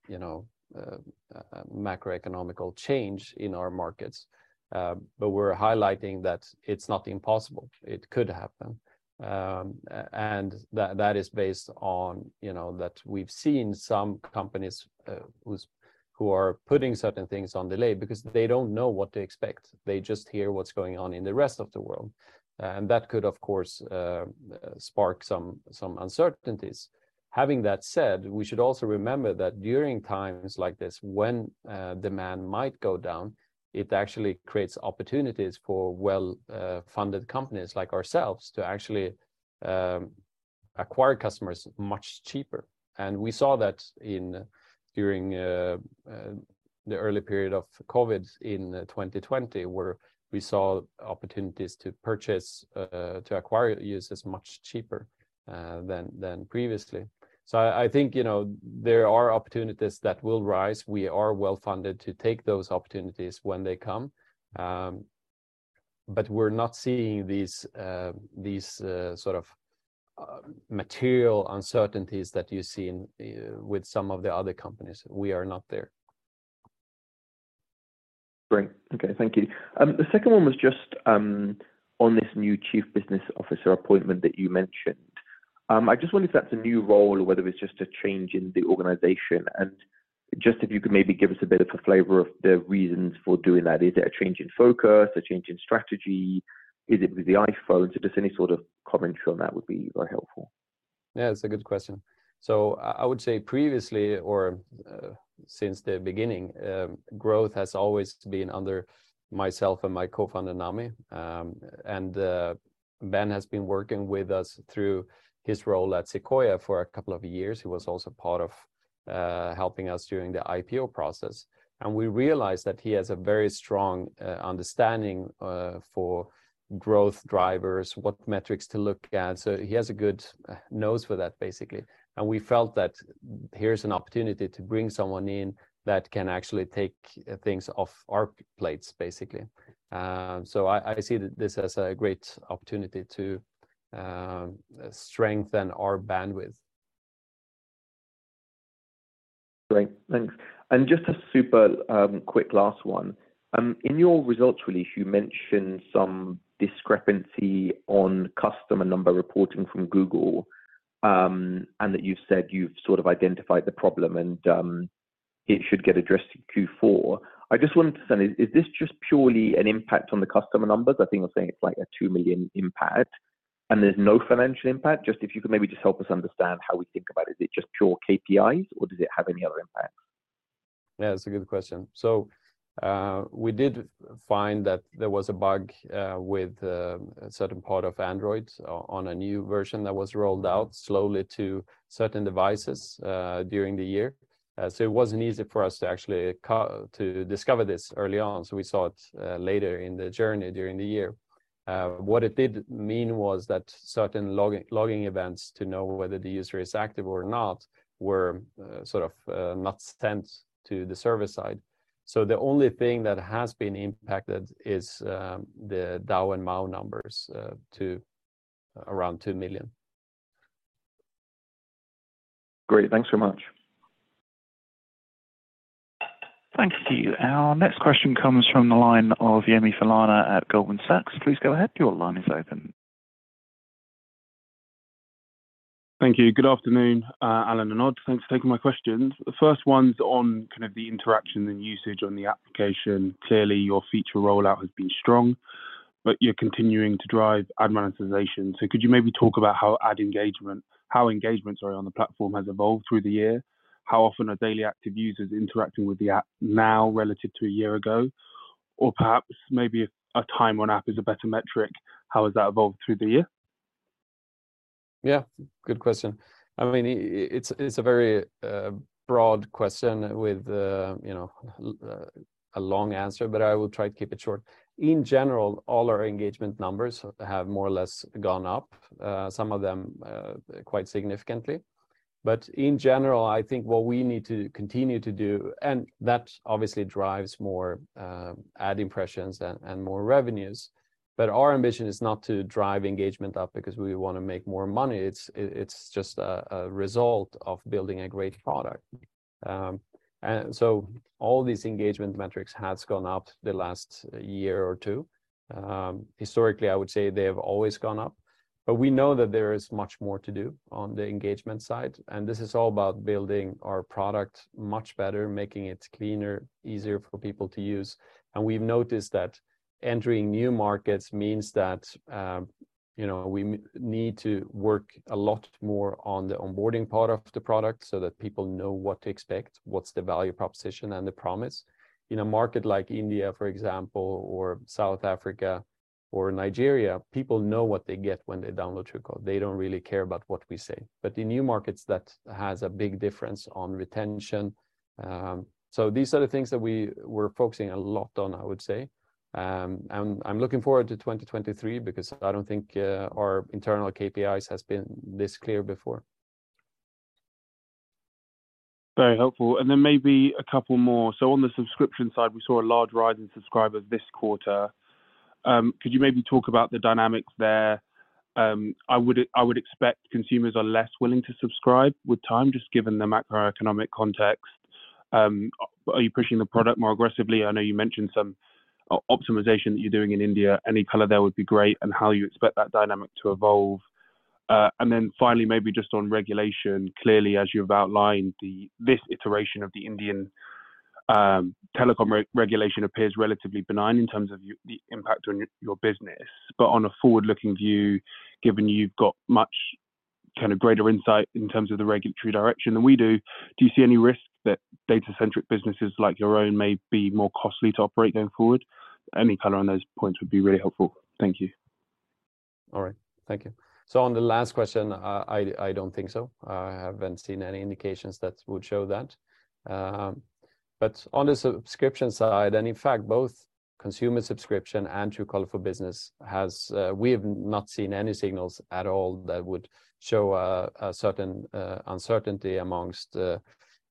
you know, macroeconomic change in our markets. But we're highlighting that it's not impossible. It could happen. And that is based on, you know, that we've seen some companies, who are putting certain things on delay because they don't know what to expect. They just hear what's going on in the rest of the world. That could, of course, spark some uncertainties. Having that said, we should also remember that during times like this, when demand might go down, it actually creates opportunities for well funded companies like ourselves to actually acquire customers much cheaper. We saw that during the early period of COVID in 2020, where we saw opportunities to acquire users much cheaper than previously. I think, you know, there are opportunities that will arise. We are well-funded to take those opportunities when they come. We're not seeing these sort of material uncertainties that you see with some of the other companies. We are not there. Great. Okay. Thank you. The second one was just on this new Chief Business Officer appointment that you mentioned. I just wonder if that's a new role or whether it's just a change in the organization. Just if you could maybe give us a bit of a flavor of the reasons for doing that. Is it a change in focus, a change in strategy? Is it with the iPhone? Just any sort of comments on that would be very helpful. Yeah, it's a good question. I would say previously or since the beginning, growth has always been under myself and my co-founder, Nami. Ben has been working with us through his role at Sequoia for a couple of years. He was also part of helping us during the IPO process, and we realized that he has a very strong understanding for growth drivers, what metrics to look at. He has a good nose for that, basically. We felt that here's an opportunity to bring someone in that can actually take things off our plates, basically. I see this as a great opportunity to strengthen our bandwidth. Great. Thanks. Just a super quick last one. In your results release, you mentioned some discrepancy on customer number reporting from Google, and that you've said you've sort of identified the problem and it should get addressed in Q4. I just wanted to understand, is this just purely an impact on the customer numbers? I think you're saying it's like a 2 million impact and there's no financial impact. Just if you could maybe just help us understand how we think about it. Is it just pure KPIs or does it have any other impacts? Yeah, it's a good question. We did find that there was a bug with a certain part of Android on a new version that was rolled out slowly to certain devices during the year. It wasn't easy for us to actually to discover this early on. We saw it later in the journey during the year. What it did mean was that certain logging events to know whether the user is active or not were sort of not sent to the server side. The only thing that has been impacted is the DAU and MAU numbers to around 2 million. Great. Thanks very much. Thank you. Our next question comes from the line of Yemi Falana at Goldman Sachs. Please go ahead. Your line is open. Thank you. Good afternoon, Alan and Odd. Thanks for taking my questions. The first one's on kind of the interaction and usage on the application. Clearly, your feature rollout has been strong, but you're continuing to drive ad monetization. Could you maybe talk about how engagement, sorry, on the platform has evolved through the year? How often are daily active users interacting with the app now relative to a year ago? Or perhaps maybe a time on app is a better metric. How has that evolved through the year? Yeah, good question. I mean, it's a very broad question with you know a long answer, but I will try to keep it short. In general, all our engagement numbers have more or less gone up, some of them quite significantly. In general, I think what we need to continue to do, and that obviously drives more ad impressions and more revenues. Our ambition is not to drive engagement up because we wanna make more money. It's just a result of building a great product. All these engagement metrics has gone up the last year or two. Historically, I would say they have always gone up, but we know that there is much more to do on the engagement side, and this is all about building our product much better, making it cleaner, easier for people to use. We've noticed that entering new markets means that, you know, we need to work a lot more on the onboarding part of the product so that people know what to expect, what's the value proposition and the promise. In a market like India, for example, or South Africa or Nigeria, people know what they get when they download Truecaller. They don't really care about what we say. In new markets, that has a big difference on retention. These are the things that we're focusing a lot on, I would say. I'm looking forward to 2023 because I don't think our internal KPIs has been this clear before. Very helpful. Maybe a couple more. On the subscription side, we saw a large rise in subscribers this quarter. Could you maybe talk about the dynamics there? I would expect consumers are less willing to subscribe with time, just given the macroeconomic context. Are you pushing the product more aggressively? I know you mentioned some optimization that you're doing in India. Any color there would be great and how you expect that dynamic to evolve. Finally, maybe just on regulation. Clearly, as you've outlined, this iteration of the Indian telecom re-regulation appears relatively benign in terms of the impact on your business. on a forward-looking view, given you've got much kinda greater insight in terms of the regulatory direction than we do you see any risk that data-centric businesses like your own may be more costly to operate going forward? Any color on those points would be really helpful. Thank you. All right. Thank you. On the last question, I don't think so. I haven't seen any indications that would show that. On the subscription side, and in fact, both consumer subscription and Truecaller for Business we have not seen any signals at all that would show a certain uncertainty among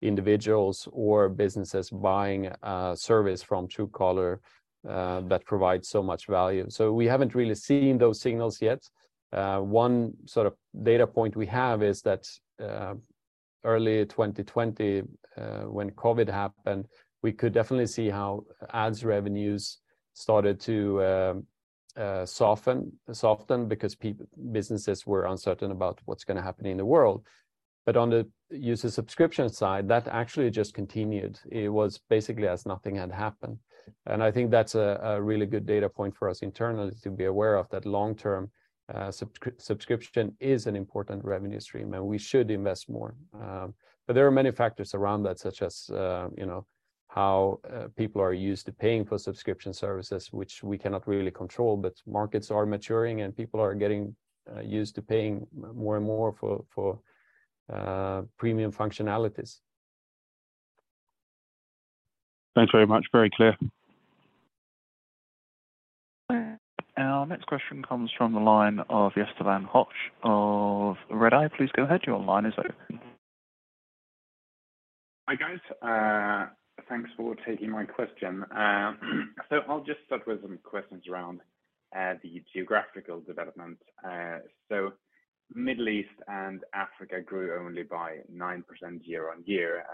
individuals or businesses buying a service from Truecaller that provides so much value. We haven't really seen those signals yet. One sort of data point we have is that early 2020, when COVID happened, we could definitely see how ads revenues started to soften because businesses were uncertain about what's gonna happen in the world. On the user subscription side, that actually just continued. It was basically as nothing had happened. I think that's a really good data point for us internally to be aware of, that long-term, subscription is an important revenue stream, and we should invest more. There are many factors around that, such as, you know, how people are used to paying for subscription services, which we cannot really control. Markets are maturing and people are getting used to paying more and more for premium functionalities. Thanks very much. Very clear. Our next question comes from the line of Jesper von Koch of Redeye. Please go ahead, your line is open. Hi, guys. Thanks for taking my question. I'll just start with some questions around the geographical development. Middle East and Africa grew only by 9% year-on-year,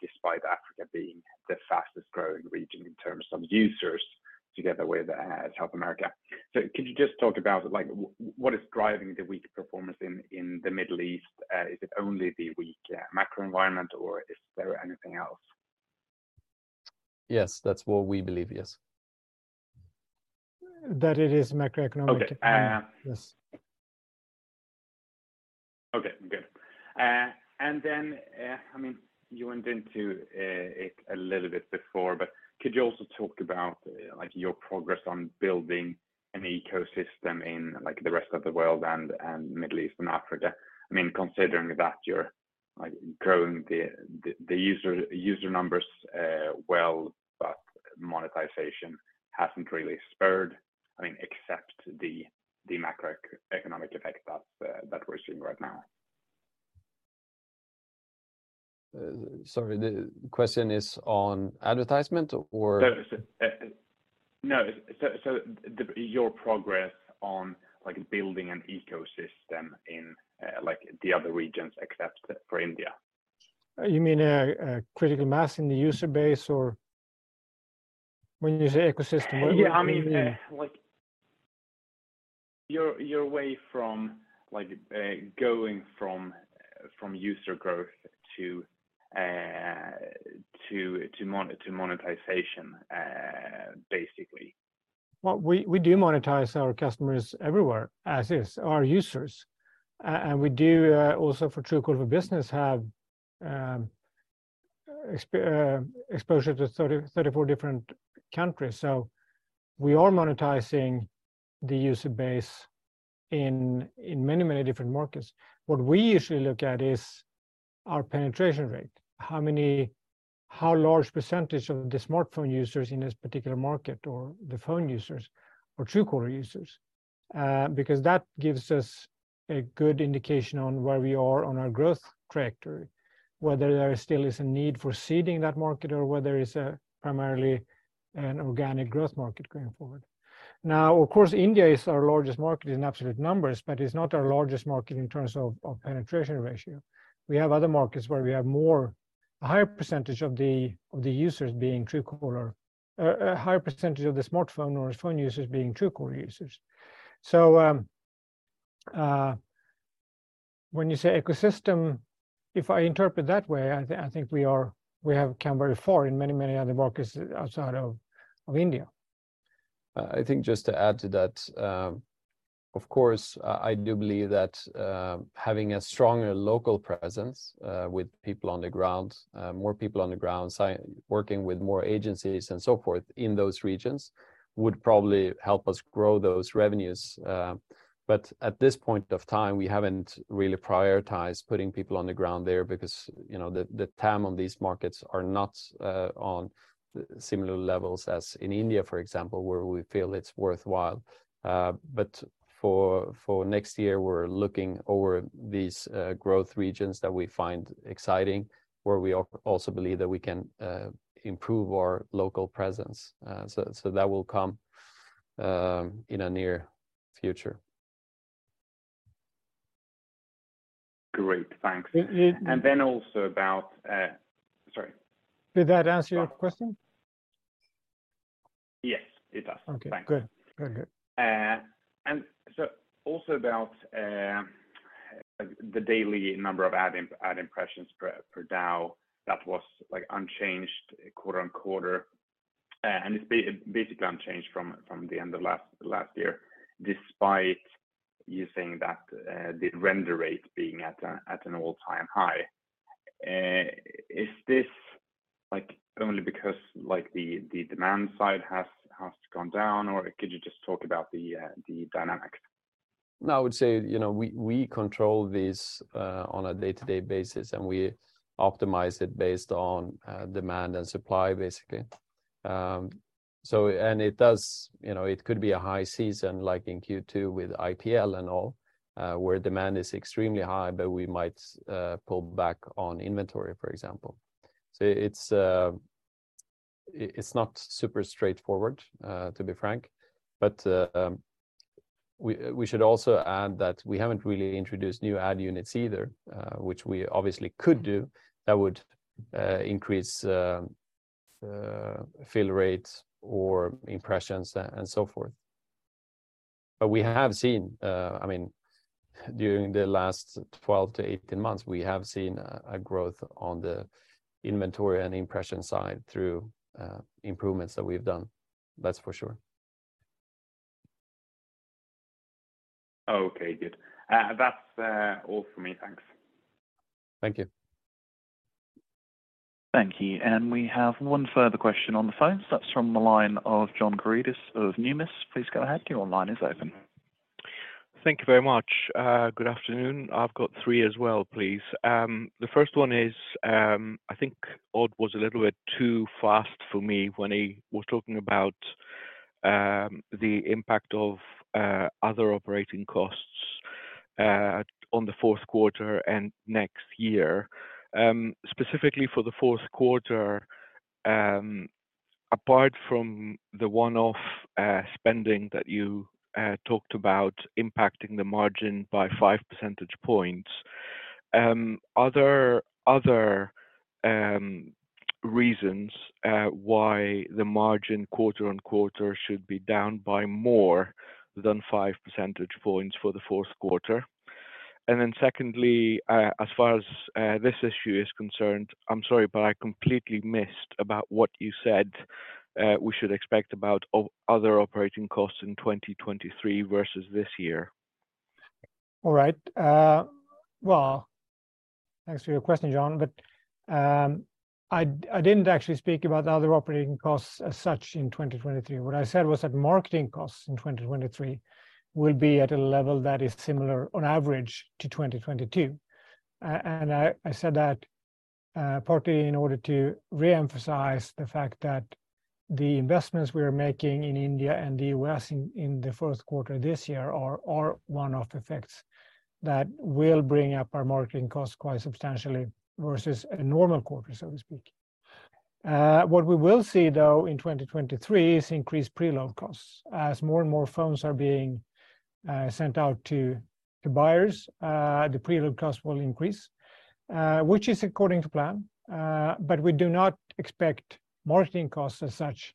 despite Africa being the fastest growing region in terms of users together with South America. Could you just talk about, like, what is driving the weaker performance in the Middle East? Is it only the weak macro environment or is there anything else? Yes. That's what we believe. Yes. That it is macroeconomic. Okay. Yes. Okay, good. I mean, you went into it a little bit before, but could you also talk about, like, your progress on building an ecosystem in, like, the rest of the world and Middle East and Africa? I mean, considering that you're, like, growing the user numbers, well, but monetization hasn't really spurred. I mean, except the macroeconomic effect that we're seeing right now. Sorry, the question is on advertisement. No. Your progress on, like, building an ecosystem in, like, the other regions except for India. You mean critical mass in the user base or. When you say ecosystem, what do you mean? Yeah, I mean, like, your way from like, going from user growth to monetization, basically. We do monetize our customers everywhere as is our users. We also for Truecaller business have exposure to 34 different countries. We are monetizing the user base in many different markets. What we usually look at is our penetration rate. How large percentage of the smartphone users in this particular market or the phone users or Truecaller users. Because that gives us a good indication on where we are on our growth trajectory, whether there still is a need for seeding that market or whether it's primarily an organic growth market going forward. Now, of course, India is our largest market in absolute numbers, but it's not our largest market in terms of penetration ratio. We have other markets where we have a higher percentage of the users being Truecaller. A higher percentage of the smartphone or phone users being Truecaller users. When you say ecosystem, if I interpret that way, I think we have come very far in many, many other markets outside of India. I think just to add to that, of course, I do believe that having a stronger local presence with people on the ground, more people on the ground working with more agencies and so forth in those regions would probably help us grow those revenues. At this point of time, we haven't really prioritized putting people on the ground there because, you know, the TAM on these markets are not on similar levels as in India, for example, where we feel it's worthwhile. For next year, we're looking over these growth regions that we find exciting, where we also believe that we can improve our local presence. That will come in a near future. Great. Thanks. Mm-hmm. Sorry. Did that answer your question? Yes, it does. Okay. Thanks. Good. Also about the daily number of ad impressions per DAU that was like unchanged quarter-over-quarter and it's basically unchanged from the end of last year despite you saying that the render rate being at an all-time high. Is this like only because the demand side has gone down or could you just talk about the dynamic? No, I would say, you know, we control this on a day-to-day basis, and we optimize it based on demand and supply, basically. It does. You know, it could be a high season, like in Q2 with IPL and all, where demand is extremely high, but we might pull back on inventory, for example. It's not super straightforward, to be frank. We should also add that we haven't really introduced new ad units either, which we obviously could do. That would increase fill rates or impressions and so forth. We have seen, I mean, during the last 12-18 months, we have seen a growth on the inventory and impression side through improvements that we've done. That's for sure. Okay, good. That's all from me. Thanks. Thank you. Thank you. We have one further question on the phone. That's from the line of John Karidis of Numis. Please go ahead. Your line is open. Thank you very much. Good afternoon. I've got three as well, please. The first one is, I think Odd was a little bit too fast for me when he was talking about the impact of other operating costs on the fourth quarter and next year. Specifically for the fourth quarter, apart from the one-off spending that you talked about impacting the margin by 5 percentage points, are there other reasons why the margin quarter-on-quarter should be down by more than 5 percentage points for the fourth quarter? Then secondly, as far as this issue is concerned, I'm sorry, but I completely missed about what you said we should expect about other operating costs in 2023 versus this year. All right. Well, thanks for your question, John. I didn't actually speak about the other operating costs as such in 2023. What I said was that marketing costs in 2023 will be at a level that is similar, on average, to 2022. I said that, partly in order to reemphasize the fact that the investments we are making in India and the U.S. in the first quarter this year are one-off effects that will bring up our marketing costs quite substantially versus a normal quarter, so to speak. What we will see, though, in 2023 is increased preload costs. As more and more phones are being sent out to buyers, the preload costs will increase, which is according to plan. We do not expect marketing costs as such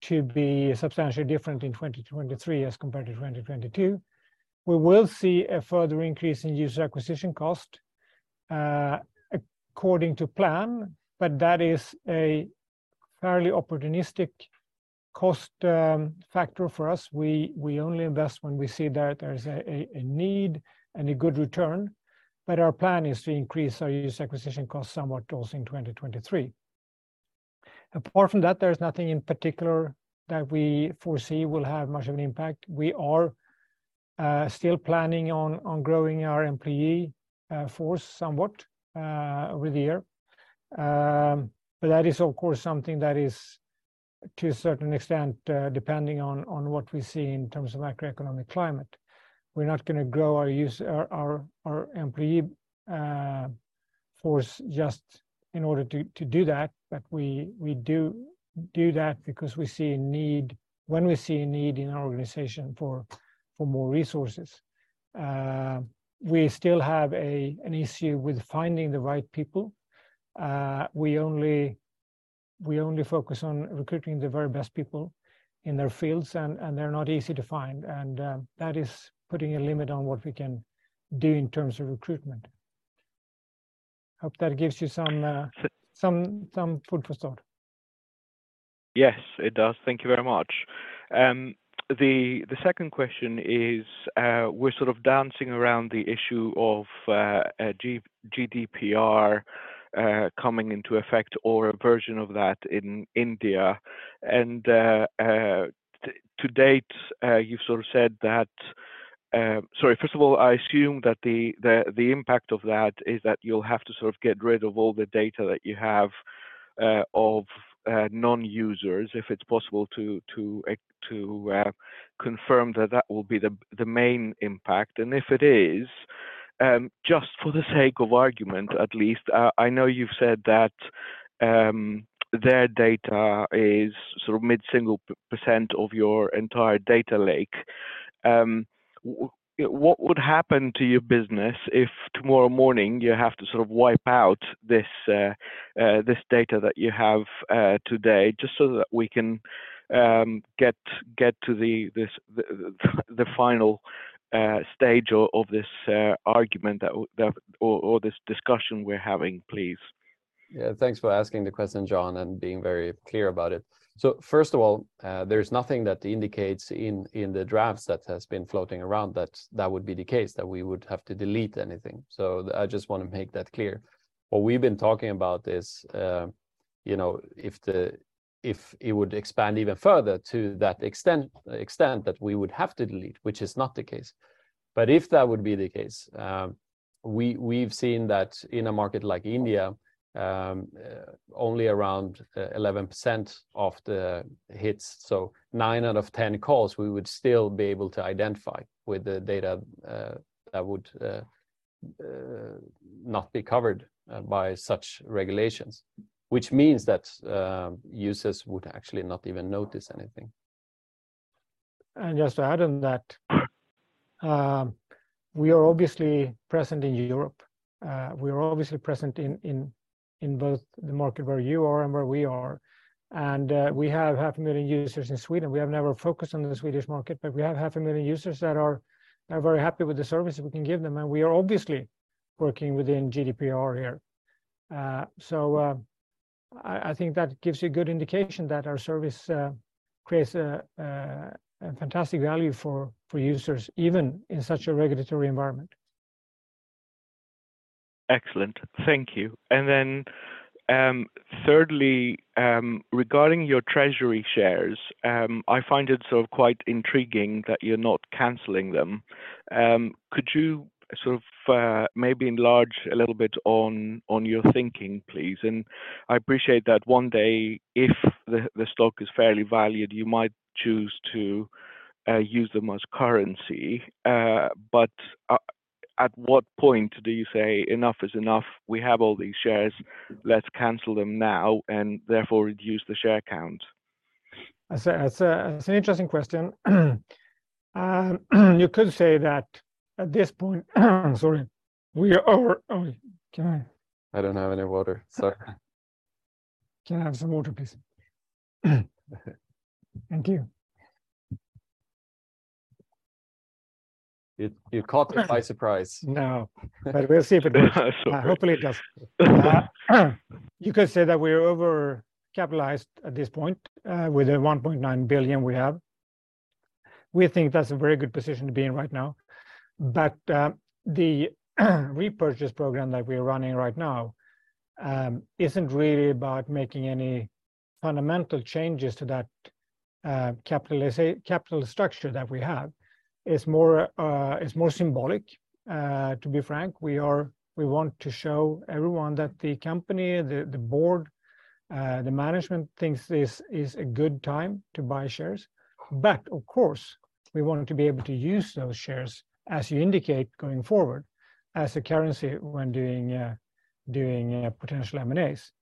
to be substantially different in 2023 as compared to 2022. We will see a further increase in user acquisition cost according to plan, but that is a fairly opportunistic cost factor for us. We only invest when we see that there is a need and a good return. Our plan is to increase our user acquisition cost somewhat also in 2023. Apart from that, there is nothing in particular that we foresee will have much of an impact. We are still planning on growing our employee force somewhat over the year. That is of course something that is to a certain extent depending on what we see in terms of macroeconomic climate. We're not gonna grow our employee force just in order to do that. We do that because we see a need, when we see a need in our organization for more resources. We still have an issue with finding the right people. We only focus on recruiting the very best people in their fields, and they're not easy to find, and that is putting a limit on what we can do in terms of recruitment. Hope that gives you some food for thought. Yes, it does. Thank you very much. The second question is, we're sort of dancing around the issue of GDPR coming into effect or a version of that in India. To date, you've sort of said that. Sorry, first of all, I assume that the impact of that is that you'll have to sort of get rid of all the data that you have of non-users. If it's possible to confirm that that will be the main impact. If it is, just for the sake of argument, at least, I know you've said that their data is sort of mid-single percent of your entire data lake. What would happen to your business if tomorrow morning you have to sort of wipe out this data that you have today just so that we can get to the final stage of this argument that or this discussion we're having, please? Yeah. Thanks for asking the question, John, and being very clear about it. First of all, there's nothing that indicates in the drafts that has been floating around that would be the case, that we would have to delete anything. I just wanna make that clear. What we've been talking about is, you know, if it would expand even further to that extent that we would have to delete, which is not the case. If that would be the case, we've seen that in a market like India, only around 11% of the hits, so nine out of 10 calls we would still be able to identify with the data that would not be covered by such regulations. Which means that users would actually not even notice anything. Just to add on that, we are obviously present in Europe. We are obviously present in both the market where you are and where we are. We have 500,000 users in Sweden. We have never focused on the Swedish market, but we have 500,000 users that are very happy with the service that we can give them, and we are obviously working within GDPR here. I think that gives you good indication that our service creates a fantastic value for users, even in such a regulatory environment. Excellent. Thank you. Thirdly, regarding your treasury shares, I find it sort of quite intriguing that you're not canceling them. Could you sort of maybe enlarge a little bit on your thinking, please? I appreciate that one day, if the stock is fairly valued, you might choose to use them as currency. But at what point do you say, "Enough is enough. We have all these shares. Let's cancel them now, and therefore reduce the share count"? That's an interesting question. You could say that at this point. Sorry. We are over. Oh, can I- I don't have any water. Sorry. Can I have some water, please? Thank you. You caught me by surprise. No, but we'll see if it works. Sorry. Hopefully it does. You could say that we're overcapitalized at this point with the 1.9 billion we have. We think that's a very good position to be in right now. The repurchase program that we're running right now isn't really about making any fundamental changes to that capital structure that we have. It's more, it's more symbolic, to be frank. We want to show everyone that the company, the board, the management thinks this is a good time to buy shares. Of course, we want to be able to use those shares, as you indicate, going forward as a currency when doing potential M&As.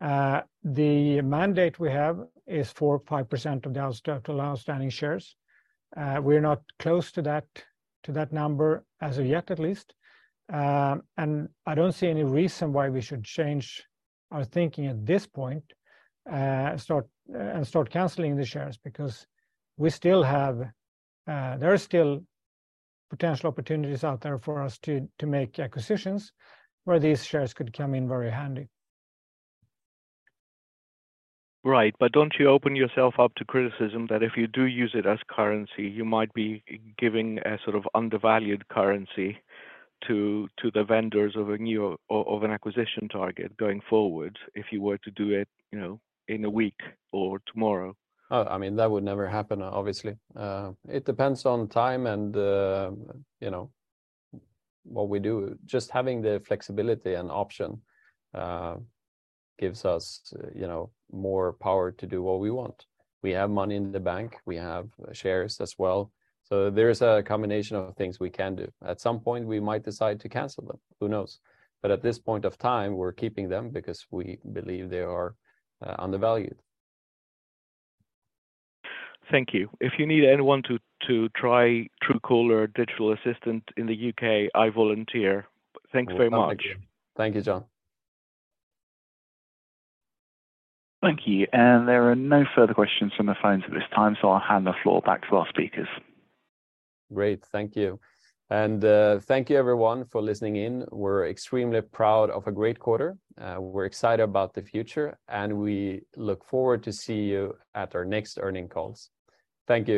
The mandate we have is for 5% of the total outstanding shares. We're not close to that number as of yet, at least. I don't see any reason why we should change our thinking at this point and start canceling the shares because there are still potential opportunities out there for us to make acquisitions where these shares could come in very handy. Right. Don't you open yourself up to criticism that if you do use it as currency, you might be giving a sort of undervalued currency to the vendors of a new or of an acquisition target going forward if you were to do it, you know, in a week or tomorrow? Oh, I mean, that would never happen, obviously. It depends on time and, you know, what we do. Just having the flexibility and option gives us, you know, more power to do what we want. We have money in the bank, we have shares as well, so there is a combination of things we can do. At some point, we might decide to cancel them. Who knows? At this point of time, we're keeping them because we believe they are undervalued. Thank you. If you need anyone to try Truecaller Assistant in the U.K., I volunteer. Thanks very much. Oh, thank you. Thank you, John. Thank you. There are no further questions from the phones at this time, so I'll hand the floor back to our speakers. Great. Thank you. Thank you everyone for listening in. We're extremely proud of a great quarter. We're excited about the future, and we look forward to see you at our next earnings calls. Thank you.